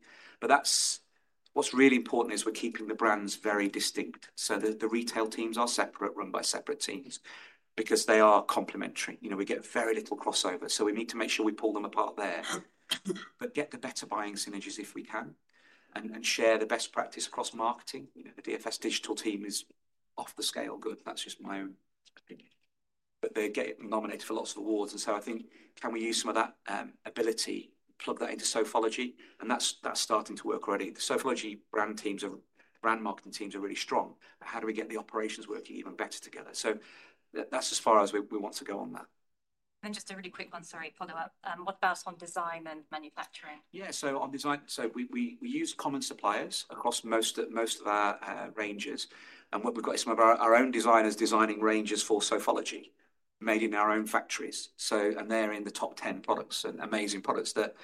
What's really important is we're keeping the brands very distinct. The retail teams are separate, run by separate teams because they are complementary. You know, we get very little crossover, so we need to make sure we pull them apart there, but get the better buying synergies if we can and share the best practice across marketing. You know, the DFS digital team is off the scale good. That's just my own opinion, but they're getting nominated for lots of awards, and so I think can we use some of that ability, plug that into Sofology, and that's that's starting to work already. The Sofology brand teams or brand marketing teams are really strong. How do we get the operations working even better together? That's as far as we want to go on that. Just a really quick one, sorry, follow up. What about on design and manufacturing? Yeah, so on design, we use common suppliers across most of our ranges, and what we've got is some of our own designers designing ranges for Sofology made in our own factories. They're in the top 10 products and amazing products that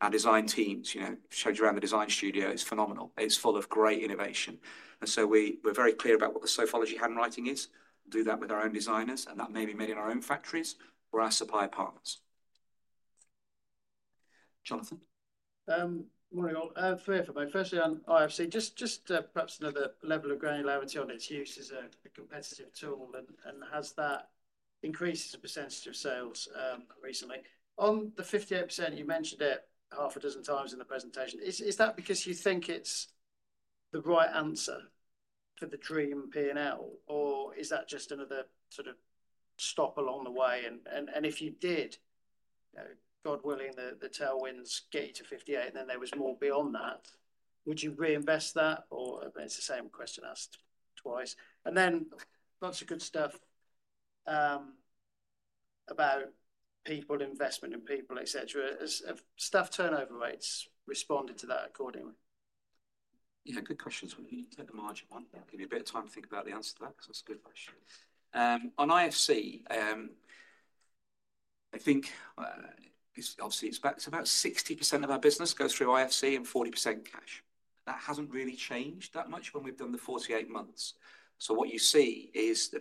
our design teams, you know, showed you around the design studio. It's phenomenal. It's full of great innovation, and we're very clear about what the Sofology handwriting is. Do that with our own designers, and that may be made in our own factories or our supply partners. Jonathan. Morning all. Firstly, on IFC, just perhaps another level of granularity on its use as a competitive tool and has that increased percentage of sales recently. On the 58%, you mentioned it half a dozen times in the presentation. Is that because you think it's the right answer for the dream P&L, or is that just another sort of stop along the way? If you did, God willing, the tailwinds get you to 58, and then there was more beyond that, would you reinvest that? Or it's the same question asked twice. Lots of good stuff about people, investment in people, et cetera. Has staff turnover rates responded to that accordingly? Yeah, good questions. We can take the margin one. I'll give you a bit of time to think about the answer to that because that's a good question. On IFC, I think obviously it's about 60% of our business goes through IFC and 40% cash. That hasn't really changed that much when we've done the 48 months. What you see is the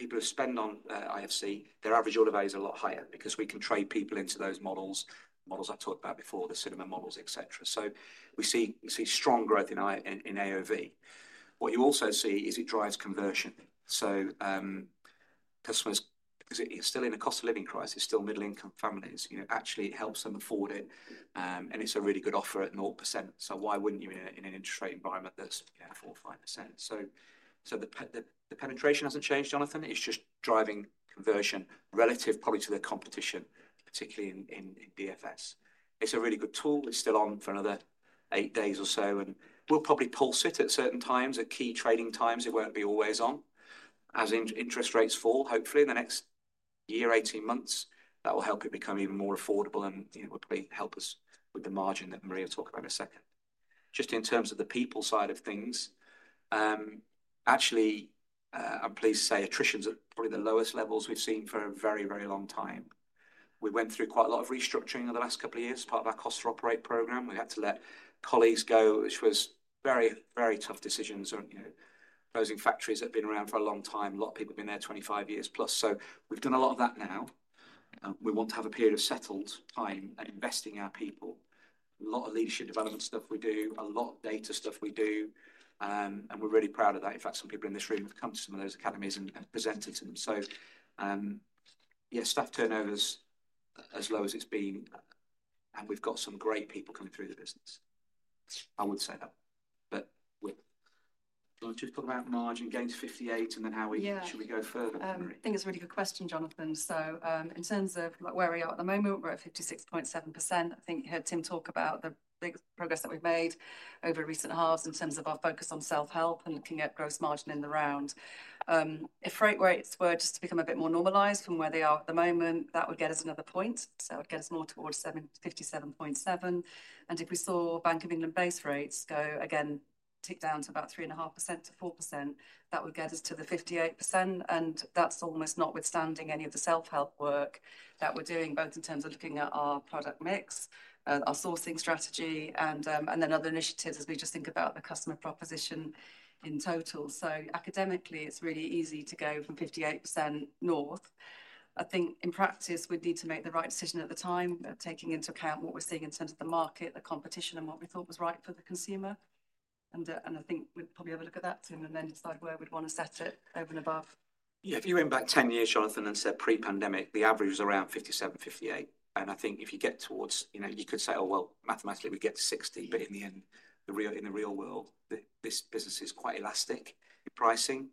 people who spend on IFC, their average order value is a lot higher because we can trade people into those models, models I talked about before, the cinema models, et cetera. We see strong growth in AOV. What you also see is it drives conversion. Customers, because it's still in a cost of living crisis, still middle-income families, you know, actually it helps them afford it, and it's a really good offer at 0%. Why wouldn't you in an interest rate environment that's 4% to 5%? The penetration hasn't changed, Jonathan. It's just driving conversion relative probably to the competition, particularly in DFS. It's a really good tool. It's still on for another eight days or so, and we'll probably pulse it at certain times, at key trading times. It won't be always on. As interest rates fall, hopefully in the next year, 18 months, that will help it become even more affordable and, you know, hopefully help us with the margin that Marie will talk about in a second. Just in terms of the people side of things, actually, I'm pleased to say attrition's probably the lowest levels we've seen for a very, very long time. We went through quite a lot of restructuring over the last couple of years, part of our Cost-to-Operate program. We had to let colleagues go, which was very, very tough decisions. You know, closing factories that have been around for a long time. A lot of people have been there 25 years plus. We have done a lot of that now. We want to have a period of settled time and investing our people. A lot of leadership development stuff we do, a lot of data stuff we do, and we're really proud of that. In fact, some people in this room have come to some of those academies and presented to them. Yeah, staff turnover's as low as it's been, and we've got some great people coming through the business. I would say that, but we're. I'm just talking about margin gain to 58 and then how we... Yeah. Should we go further? I think it's a really good question, Jonathan. In terms of like where we are at the moment, we're at 56.7%. I think you heard Tim talk about the big progress that we've made over recent halves in terms of our focus on self-help and looking at gross margin in the round. If freight rates were just to become a bit more normalized from where they are at the moment, that would get us another point. It would get us more towards 57.7%. If we saw Bank of England base rates go again, tick down to about 3.5% to 4%, that would get us to the 58%. That is almost not withstanding any of the self-help work that we are doing, both in terms of looking at our product mix, our sourcing strategy, and then other initiatives as we just think about the customer proposition in total. Academically, it is really easy to go from 58% north. I think in practice, we would need to make the right decision at the time, taking into account what we are seeing in terms of the market, the competition, and what we thought was right for the consumer. I think we'd probably have a look at that, Tim, and then decide where we'd want to set it over and above. If you went back 10 years, Jonathan, and said pre-pandemic, the average was around 57, 58. I think if you get towards, you know, you could say, oh, mathematically we'd get to 60, but in the end, in the real world, this business is quite elastic in pricing.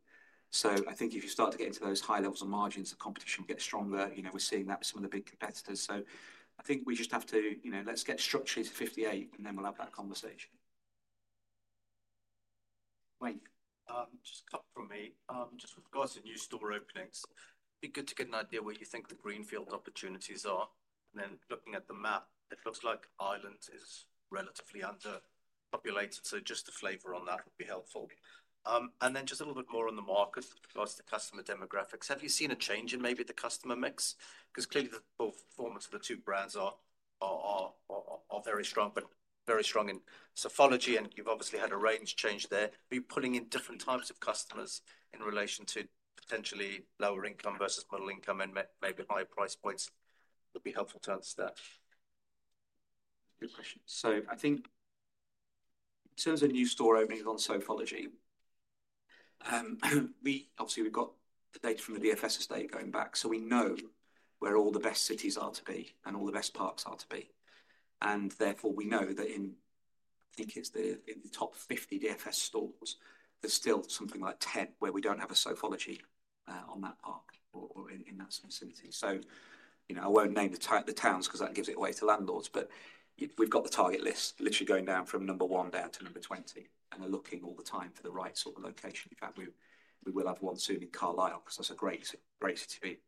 I think if you start to get into those high levels of margins, the competition will get stronger. You know, we're seeing that with some of the big competitors. I think we just have to, you know, let's get structured to 58, and then we'll have that conversation. Wayne. Just cut from me. Just we've got some new store openings. It'd be good to get an idea where you think the greenfield opportunities are. Looking at the map, it looks like Ireland is relatively underpopulated. Just a flavor on that would be helpful. A little bit more on the market, what's the customer demographics? Have you seen a change in maybe the customer mix? Clearly the performance of the two brands are very strong, but very strong in Sofology, and you've obviously had a range change there. Are you pulling in different types of customers in relation to potentially lower income versus middle income and maybe higher price points? It would be helpful to answer that. Good question. I think in terms of new store openings on Sofology, we obviously have the data from the DFS estate going back. We know where all the best cities are to be and all the best parks are to be. Therefore, we know that in, I think it's in the top 50 DFS stores, there's still something like 10 where we don't have a Sofology on that park or in that sort of city. You know, I won't name the towns because that gives it away to landlords, but we've got the target list literally going down from number one down to number 20, and we're looking all the time for the right sort of location. In fact, we will have one soon in Carlisle because that's a great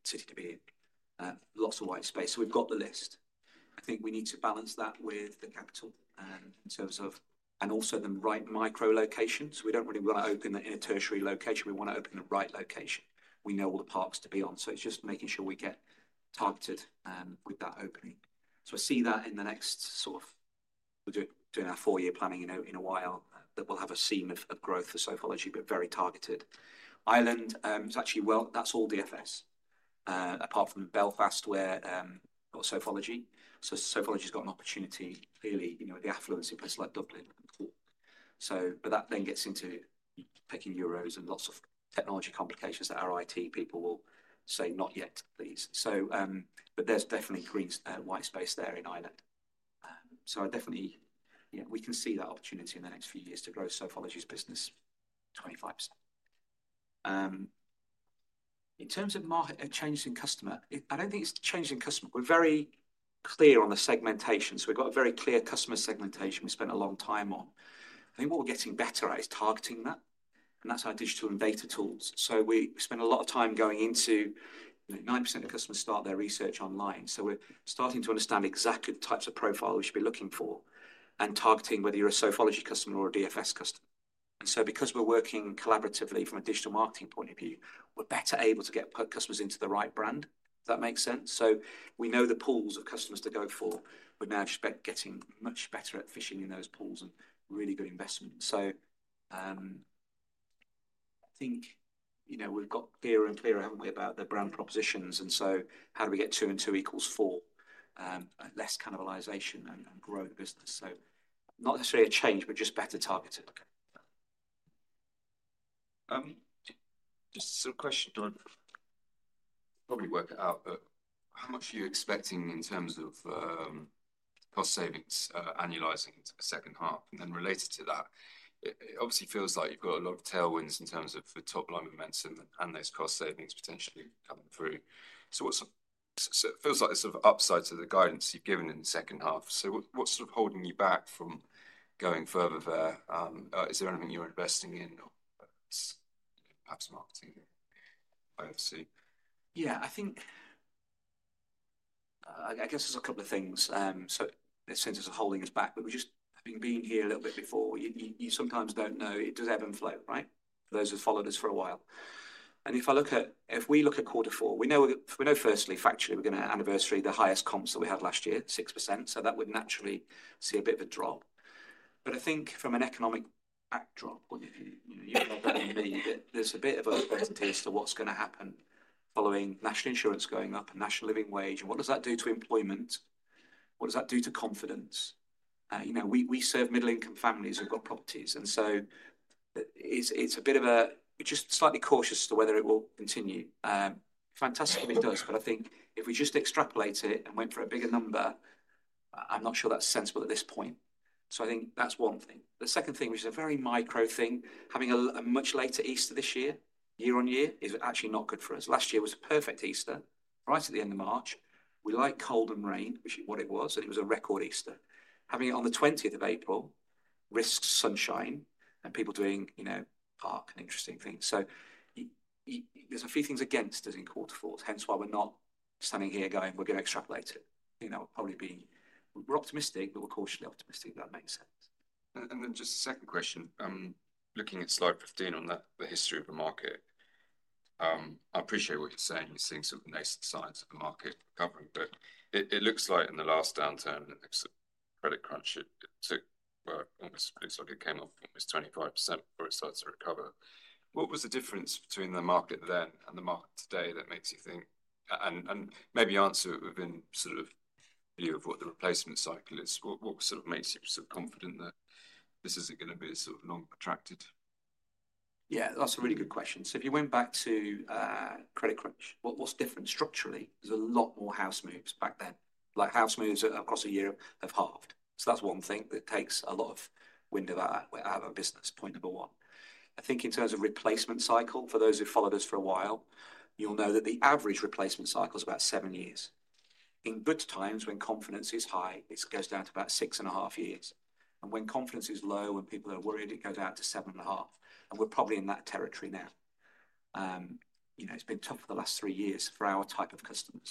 city to be in, lots of white space. We've got the list. I think we need to balance that with the capital in terms of, and also the right micro location. We don't really want to open in a tertiary location. We want to open the right location. We know all the parks to be on. It's just making sure we get targeted with that opening. I see that in the next sort of, we're doing our four-year planning in a while, that we'll have a seam of growth for Sofology, but very targeted. Ireland, it's actually, that's all DFS apart from Belfast where we've got Sofology. Sofology's got an opportunity clearly, you know, with the affluency of a place like Dublin. That then gets into picking euros and lots of technology complications that our IT people will say, not yet, please. There's definitely green white space there in Ireland. I definitely, yeah, we can see that opportunity in the next few years to grow Sofology's business 25%. In terms of market changes in customer, I don't think it's changing customer. We're very clear on the segmentation. We have a very clear customer segmentation we spent a long time on. I think what we're getting better at is targeting that, and that's our digital and data tools. We spend a lot of time going into, you know, 9% of customers start their research online. We're starting to understand exactly the types of profile we should be looking for and targeting whether you're a Sofology customer or a DFS customer. Because we're working collaboratively from a digital marketing point of view, we're better able to get customers into the right brand, if that makes sense. We know the pools of customers to go for. We now expect getting much better at fishing in those pools and really good investment. I think, you know, we've got clearer and clearer, haven't we, about the brand propositions? How do we get two and two equals four, less cannibalisation and grow the business? Not necessarily a change, but just better targeted. Just a question, John. Probably work it out, but how much are you expecting in terms of cost savings annualising into the second half? Related to that, it obviously feels like you have a lot of tailwinds in terms of the top line momentum and those cost savings potentially coming through. What is sort of, it feels like there is sort of upside to the guidance you have given in the second half. What is sort of holding you back from going further there? Is there anything you are investing in or perhaps marketing IFC? I think, I guess there are a couple of things. In terms of holding us back, we have just been here a little bit before. You sometimes do not know. It does ebb and flow, right? For those who've followed us for a while. If I look at, if we look at quarter four, we know firstly, factually, we're going to anniversary the highest comps that we had last year, 6%. That would naturally see a bit of a drop. I think from an economic backdrop, you know, you're not better than me, but there's a bit of a hesitation as to what's going to happen following National Insurance going up and National Living Wage. What does that do to employment? What does that do to confidence? You know, we serve middle-income families who've got properties. It's a bit of a, we're just slightly cautious to whether it will continue. Fantastic if it does, but I think if we just extrapolate it and went for a bigger number, I'm not sure that's sensible at this point. I think that's one thing. The second thing, which is a very micro thing, having a much later Easter this year, year on year, is actually not good for us. Last year was a perfect Easter, right at the end of March. We like cold and rain, which is what it was, and it was a record Easter. Having it on the 20th of April risks sunshine and people doing, you know, park and interesting things. There's a few things against us in quarter four, hence why we're not standing here going, we're going to extrapolate it. You know, we're probably being, we're optimistic, but we're cautiously optimistic, if that makes sense. Just a second question, looking at Slide 15 on the history of the market, I appreciate what you're saying. You're seeing sort of nascent signs of the market recovering, but it looks like in the last downturn, the credit crunch took work, almost looks like it came up almost 25% before it starts to recover. What was the difference between the market then and the market today that makes you think, and maybe answer it within sort of view of what the replacement cycle is? What sort of makes you sort of confident that this isn't going to be a sort of long protracted? Yeah, that's a really good question. If you went back to credit crunch, what's different structurally? There's a lot more house moves back then. Like house moves across a year have halved. That's one thing that takes a lot of wind out of our business, point number one. I think in terms of replacement cycle, for those who followed us for a while, you'll know that the average replacement cycle is about seven years. In good times, when confidence is high, it goes down to about six and a half years. When confidence is low, when people are worried, it goes out to seven and a half. We're probably in that territory now. You know, it's been tough for the last three years for our type of customers.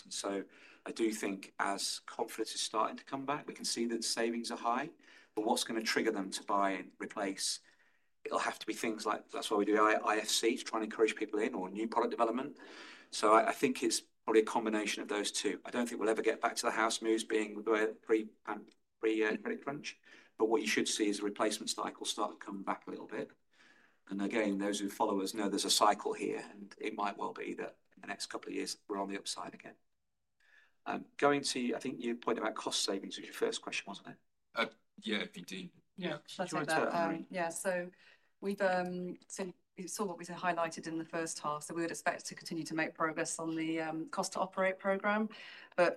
I do think as confidence is starting to come back, we can see that savings are high, but what's going to trigger them to buy and replace? It'll have to be things like, that's why we do IFC, to try and encourage people in or new product development. I think it's probably a combination of those two. I don't think we'll ever get back to the house moves being pre-credit crunch. What you should see is the replacement cycle start to come back a little bit. Again, those who follow us know there's a cycle here, and it might well be that in the next couple of years, we're on the upside again. Going to, I think you pointed out cost savings was your first question, wasn't it? Yeah, indeed. Yeah, that's right. We've seen what we said highlighted in the first half. We would expect to continue to make progress on the cost to operate program.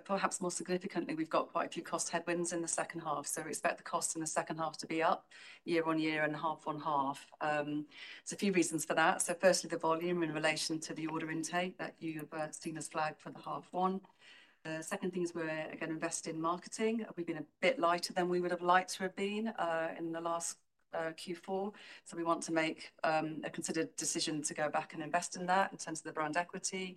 Perhaps more significantly, we've got quite a few cost headwinds in the second half. We expect the cost in the second half to be up year on year and half on half. are a few reasons for that. Firstly, the volume in relation to the order intake that you have seen us flag for the half one. The second thing is we are again investing in marketing. We have been a bit lighter than we would have liked to have been in the last Q4. We want to make a considered decision to go back and invest in that in terms of the brand equity.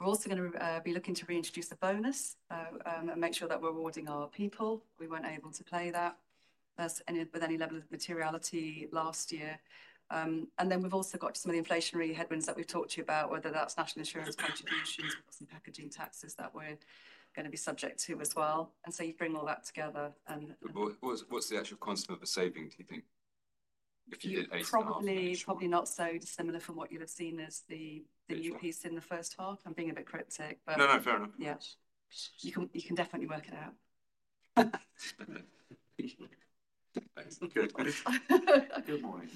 We are also going to be looking to reintroduce the bonus and make sure that we are rewarding our people. We were not able to play that with any level of materiality last year. We have also got some of the inflationary headwinds that we have talked to you about, whether that is National Insurance contributions, some packaging taxes that we are going to be subject to as well. You bring all that together. What is the actual quantum of the saving, do you think? If you did ACR? Probably not so dissimilar from what you will have seen as the new piece in the first half. I am being a bit cryptic, but. No, no, fair enough. You can definitely work it out. Thanks. Good morning.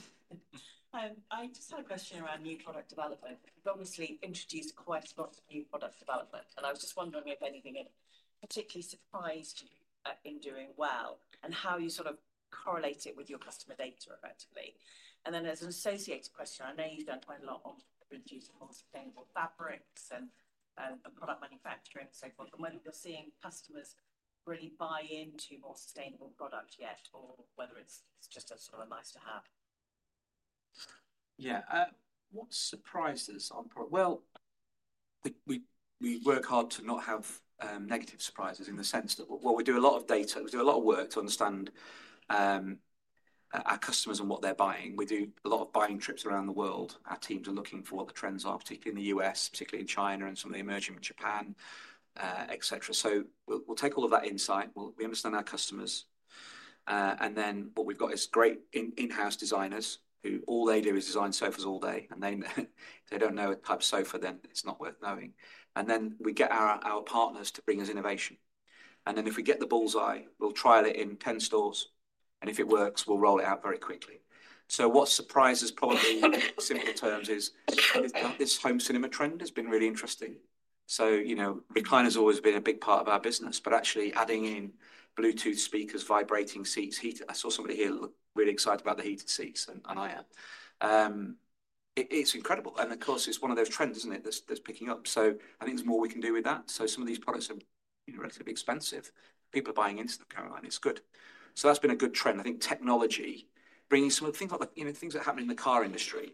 I just had a question around new product development. You have obviously introduced quite a lot of new product development, and I was just wondering if anything had particularly surprised you in doing well and how you sort of correlate it with your customer data effectively. As an associated question, I know you have done quite a lot of producing more sustainable fabrics and product manufacturing, so forth, and whether you are seeing customers really buy into more sustainable product yet or whether it is just a sort of a nice to have. What surprises on product? We work hard to not have negative surprises in the sense that, we do a lot of data. We do a lot of work to understand our customers and what they're buying. We do a lot of buying trips around the world. Our teams are looking for what the trends are, particularly in the U.S., particularly in China and some of the emerging Japan, etc. We take all of that insight. We understand our customers. What we've got is great in-house designers who all they do is design sofas all day, and if they do not know a type of Sofa, then it's not worth knowing. We get our partners to bring us innovation. If we get the bull's eye, we will trial it in 10 stores. If it works, we will roll it out very quickly. What surprises probably in simple terms is this home cinema trend has been really interesting. You know, recliners have always been a big part of our business, but actually adding in Bluetooth speakers, vibrating seats, heater, I saw somebody here look really excited about the heated seats, and I am. It's incredible. Of course, it's one of those trends, isn't it, that's picking up. I think there's more we can do with that. Some of these products are relatively expensive. People are buying into them, Caroline. It's good. That's been a good trend. I think technology bringing some of the things like the, you know, things that happen in the car industry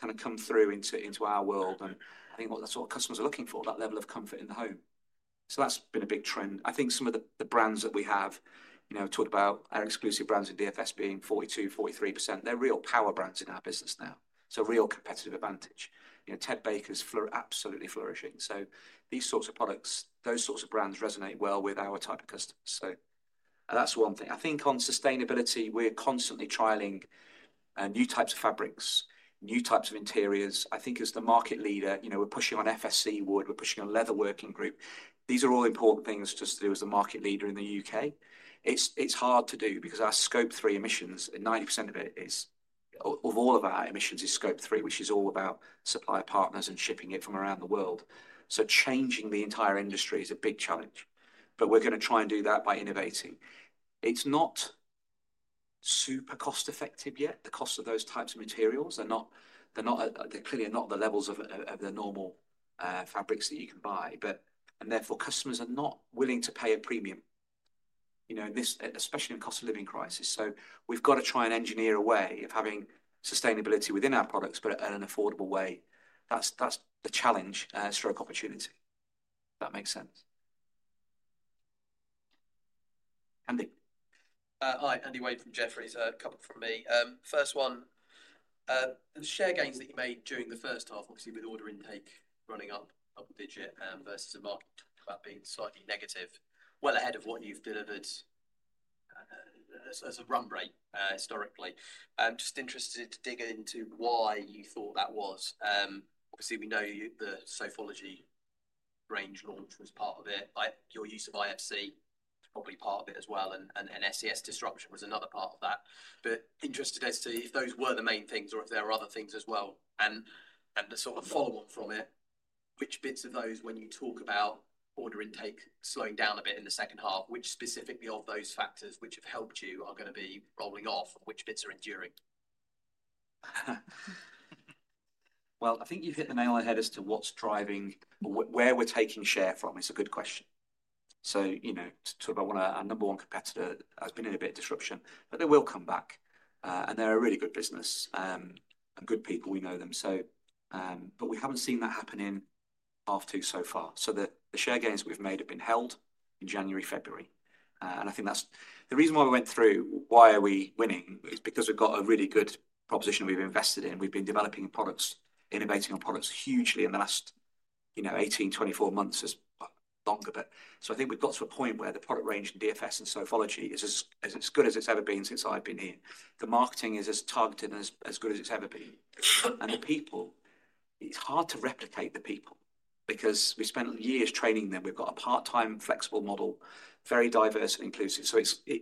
kind of come through into our world. I think that's what customers are looking for, that level of comfort in the home. That's been a big trend. I think some of the brands that we have, you know, talked about, our exclusive brands in DFS being 42% to 43%. They're real power brands in our business now. Real competitive advantage. You know, Ted Baker's absolutely flourishing. These sorts of products, those sorts of brands resonate well with our type of customers. That's one thing. I think on sustainability, we're constantly trialing new types of fabrics, new types of interiors. I think as the market leader, you know, we're pushing on FSC wood, we're pushing on Leather Working Group. These are all important things just to do as the market leader in the U.K. It's hard to do because our Scope 3 emissions, 90% of it is, of all of our emissions is Scope 3, which is all about supplier partners and shipping it from around the world. Changing the entire industry is a big challenge. We are going to try and do that by innovating. It is not super cost-effective yet. The cost of those types of materials, they are not, they are clearly not the levels of the normal fabrics that you can buy, and therefore customers are not willing to pay a premium, you know, in this, especially in cost of living crisis. We have to try and engineer a way of having sustainability within our products, but at an affordable way. That is the challenge, stroke opportunity. If that makes sense. Andy. Hi, Andrew Wade from Jefferies, a couple from me. First one, the share gains that you made during the first half, obviously with order intake running up double digit versus a market about being slightly negative, well ahead of what you have delivered as a run rate historically. Just interested to dig into why you thought that was. Obviously, we know the Sofology range launch was part of it. Your use of IFC is probably part of it as well. ScS disruption was another part of that. Interested as to if those were the main things or if there were other things as well. The sort of follow-on from it, which bits of those, when you talk about order intake slowing down a bit in the second half, which specifically of those factors which have helped you are going to be rolling off, which bits are enduring? I think you've hit the nail on the head as to what's driving where we're taking share from. It's a good question. You know, to talk about one of our number one competitors, they've been in a bit of disruption, but they will come back. They're a really good business and good people. We know them. We haven't seen that happen in half two so far. The share gains we've made have been held in January, February. I think that's the reason why we went through. Why are we winning? It's because we've got a really good proposition we've invested in. We've been developing products, innovating on products hugely in the last, you know, 18, 24 months, it's longer. I think we've got to a point where the product range in DFS and Sofology is as good as it's ever been since I've been here. The marketing is as targeted and as good as it's ever been. The people, it's hard to replicate the people because we spent years training them. We've got a part-time flexible model, very diverse and inclusive.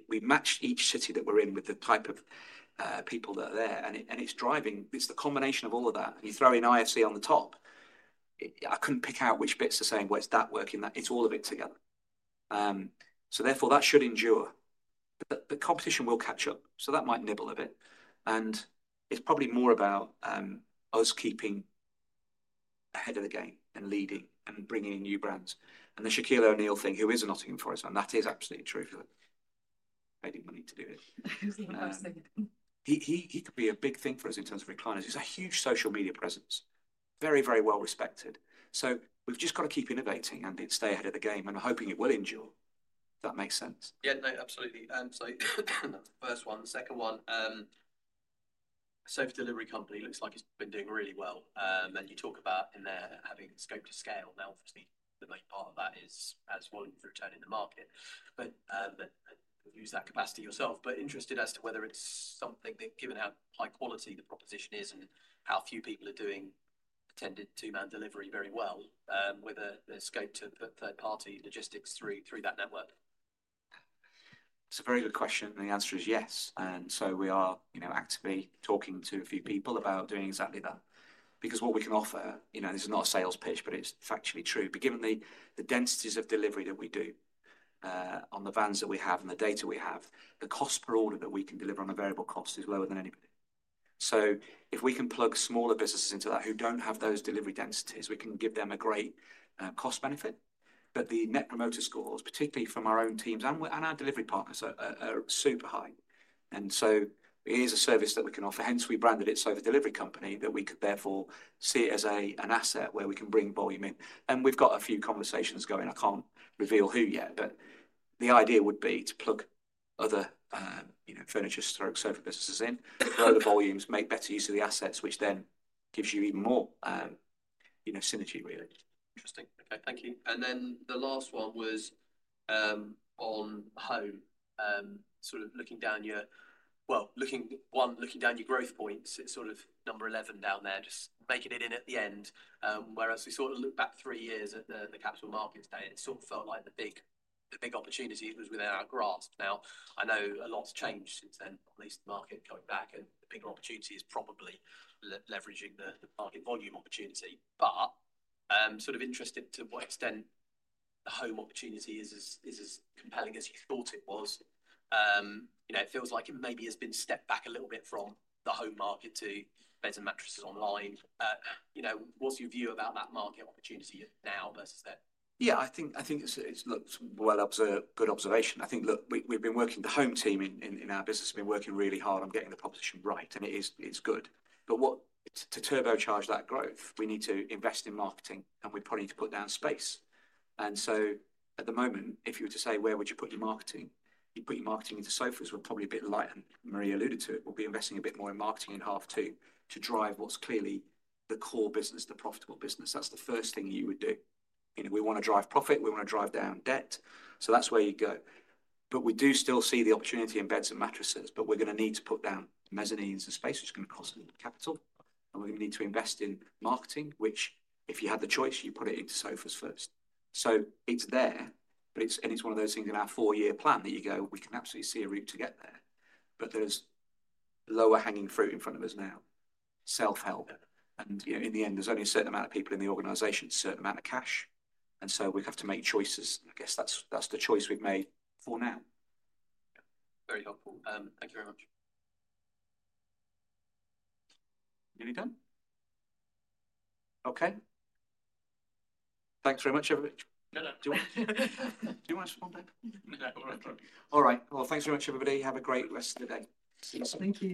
We match each city that we're in with the type of people that are there. It's driving, it's the combination of all of that. You throw in IFC on the top, I couldn't pick out which bits are saying, well, it's that working, that it's all of it together. Therefore, that should endure. The competition will catch up. That might nibble a bit. It's probably more about us keeping ahead of the game and leading and bringing in new brands. The Shaquille O'Neal thing, who is a Nottingham Forest man, that is absolutely true. He made money to do it. He could be a big thing for us in terms of recliners. He's a huge social media presence, very, very well respected. We've just got to keep innovating and stay ahead of the game. I'm hoping it will endure. If that makes sense. Yeah, no, absolutely. That's the first one. The second one, Sofa Delivery Company looks like it's been doing really well. You talk about in there having scope to scale. Now, obviously, the main part of that is as well return in the market. Use that capacity yourself. Interested as to whether it's something that, given how high quality the proposition is and how few people are doing attended two-man delivery very well, whether there's scope to put third-party logistics through that network. It's a very good question. The answer is yes. We are actively talking to a few people about doing exactly that. What we can offer, you know, this is not a sales pitch, but it's factually true. Given the densities of delivery that we do on the vans that we have and the data we have, the cost per order that we can deliver on a variable cost is lower than anybody. If we can plug smaller businesses into that who do not have those delivery densities, we can give them a great cost benefit. The Net Promoter Scores, particularly from our own teams and our delivery partners, are super high. It is a service that we can offer. Hence, we branded it Sofa Delivery Company that we could therefore see as an asset where we can bring volume in. We have got a few conversations going. I can't reveal who yet, but the idea would be to plug other, you know, furniture store service businesses in, grow the volumes, make better use of the assets, which then gives you even more, you know, synergy, really. Interesting. Okay, thank you. The last one was on home, sort of looking down your, you know, looking one, looking down your growth points, it's sort of number 11 down there, just making it in at the end. Whereas we sort of looked back three years at the capital markets data, it sort of felt like the big opportunity was within our grasp. Now, I know a lot's changed since then, at least the market coming back and the bigger opportunity is probably leveraging the market volume opportunity. Sort of interested to what extent the home opportunity is as compelling as you thought it was. You know, it feels like it maybe has been stepped back a little bit from the home market to beds and mattresses online. You know, what's your view about that market opportunity now versus then? Yeah, I think it looks well. That was a good observation. I think, look, we've been working, the home team in our business has been working really hard on getting the proposition right. And it is good. To turbocharge that growth, we need to invest in marketing. We probably need to put down space. At the moment, if you were to say, where would you put your marketing? You'd put your marketing into sofas, we're probably a bit light. Marie alluded to it, we'll be investing a bit more in marketing in half two to drive what's clearly the core business, the profitable business. That's the first thing you would do. You know, we want to drive profit. We want to drive down debt. That's where you go. We do still see the opportunity in beds and mattresses, but we're going to need to put down mezzanines and space, which is going to cost a lot of capital. We're going to need to invest in marketing, which, if you had the choice, you put it into sofas first. It's there, but it's one of those things in our four-year plan that you go, we can absolutely see a route to get there. There's lower hanging fruit in front of us now, self-help. You know, in the end, there's only a certain amount of people in the organization, a certain amount of cash. We have to make choices. I guess that's the choice we've made for now. Very helpful. Thank you very much. You're done. Okay. Thanks very much, everybody. Do you want to respond there? All right. All right. Thanks very much, everybody. Have a great rest of the day. Thank you.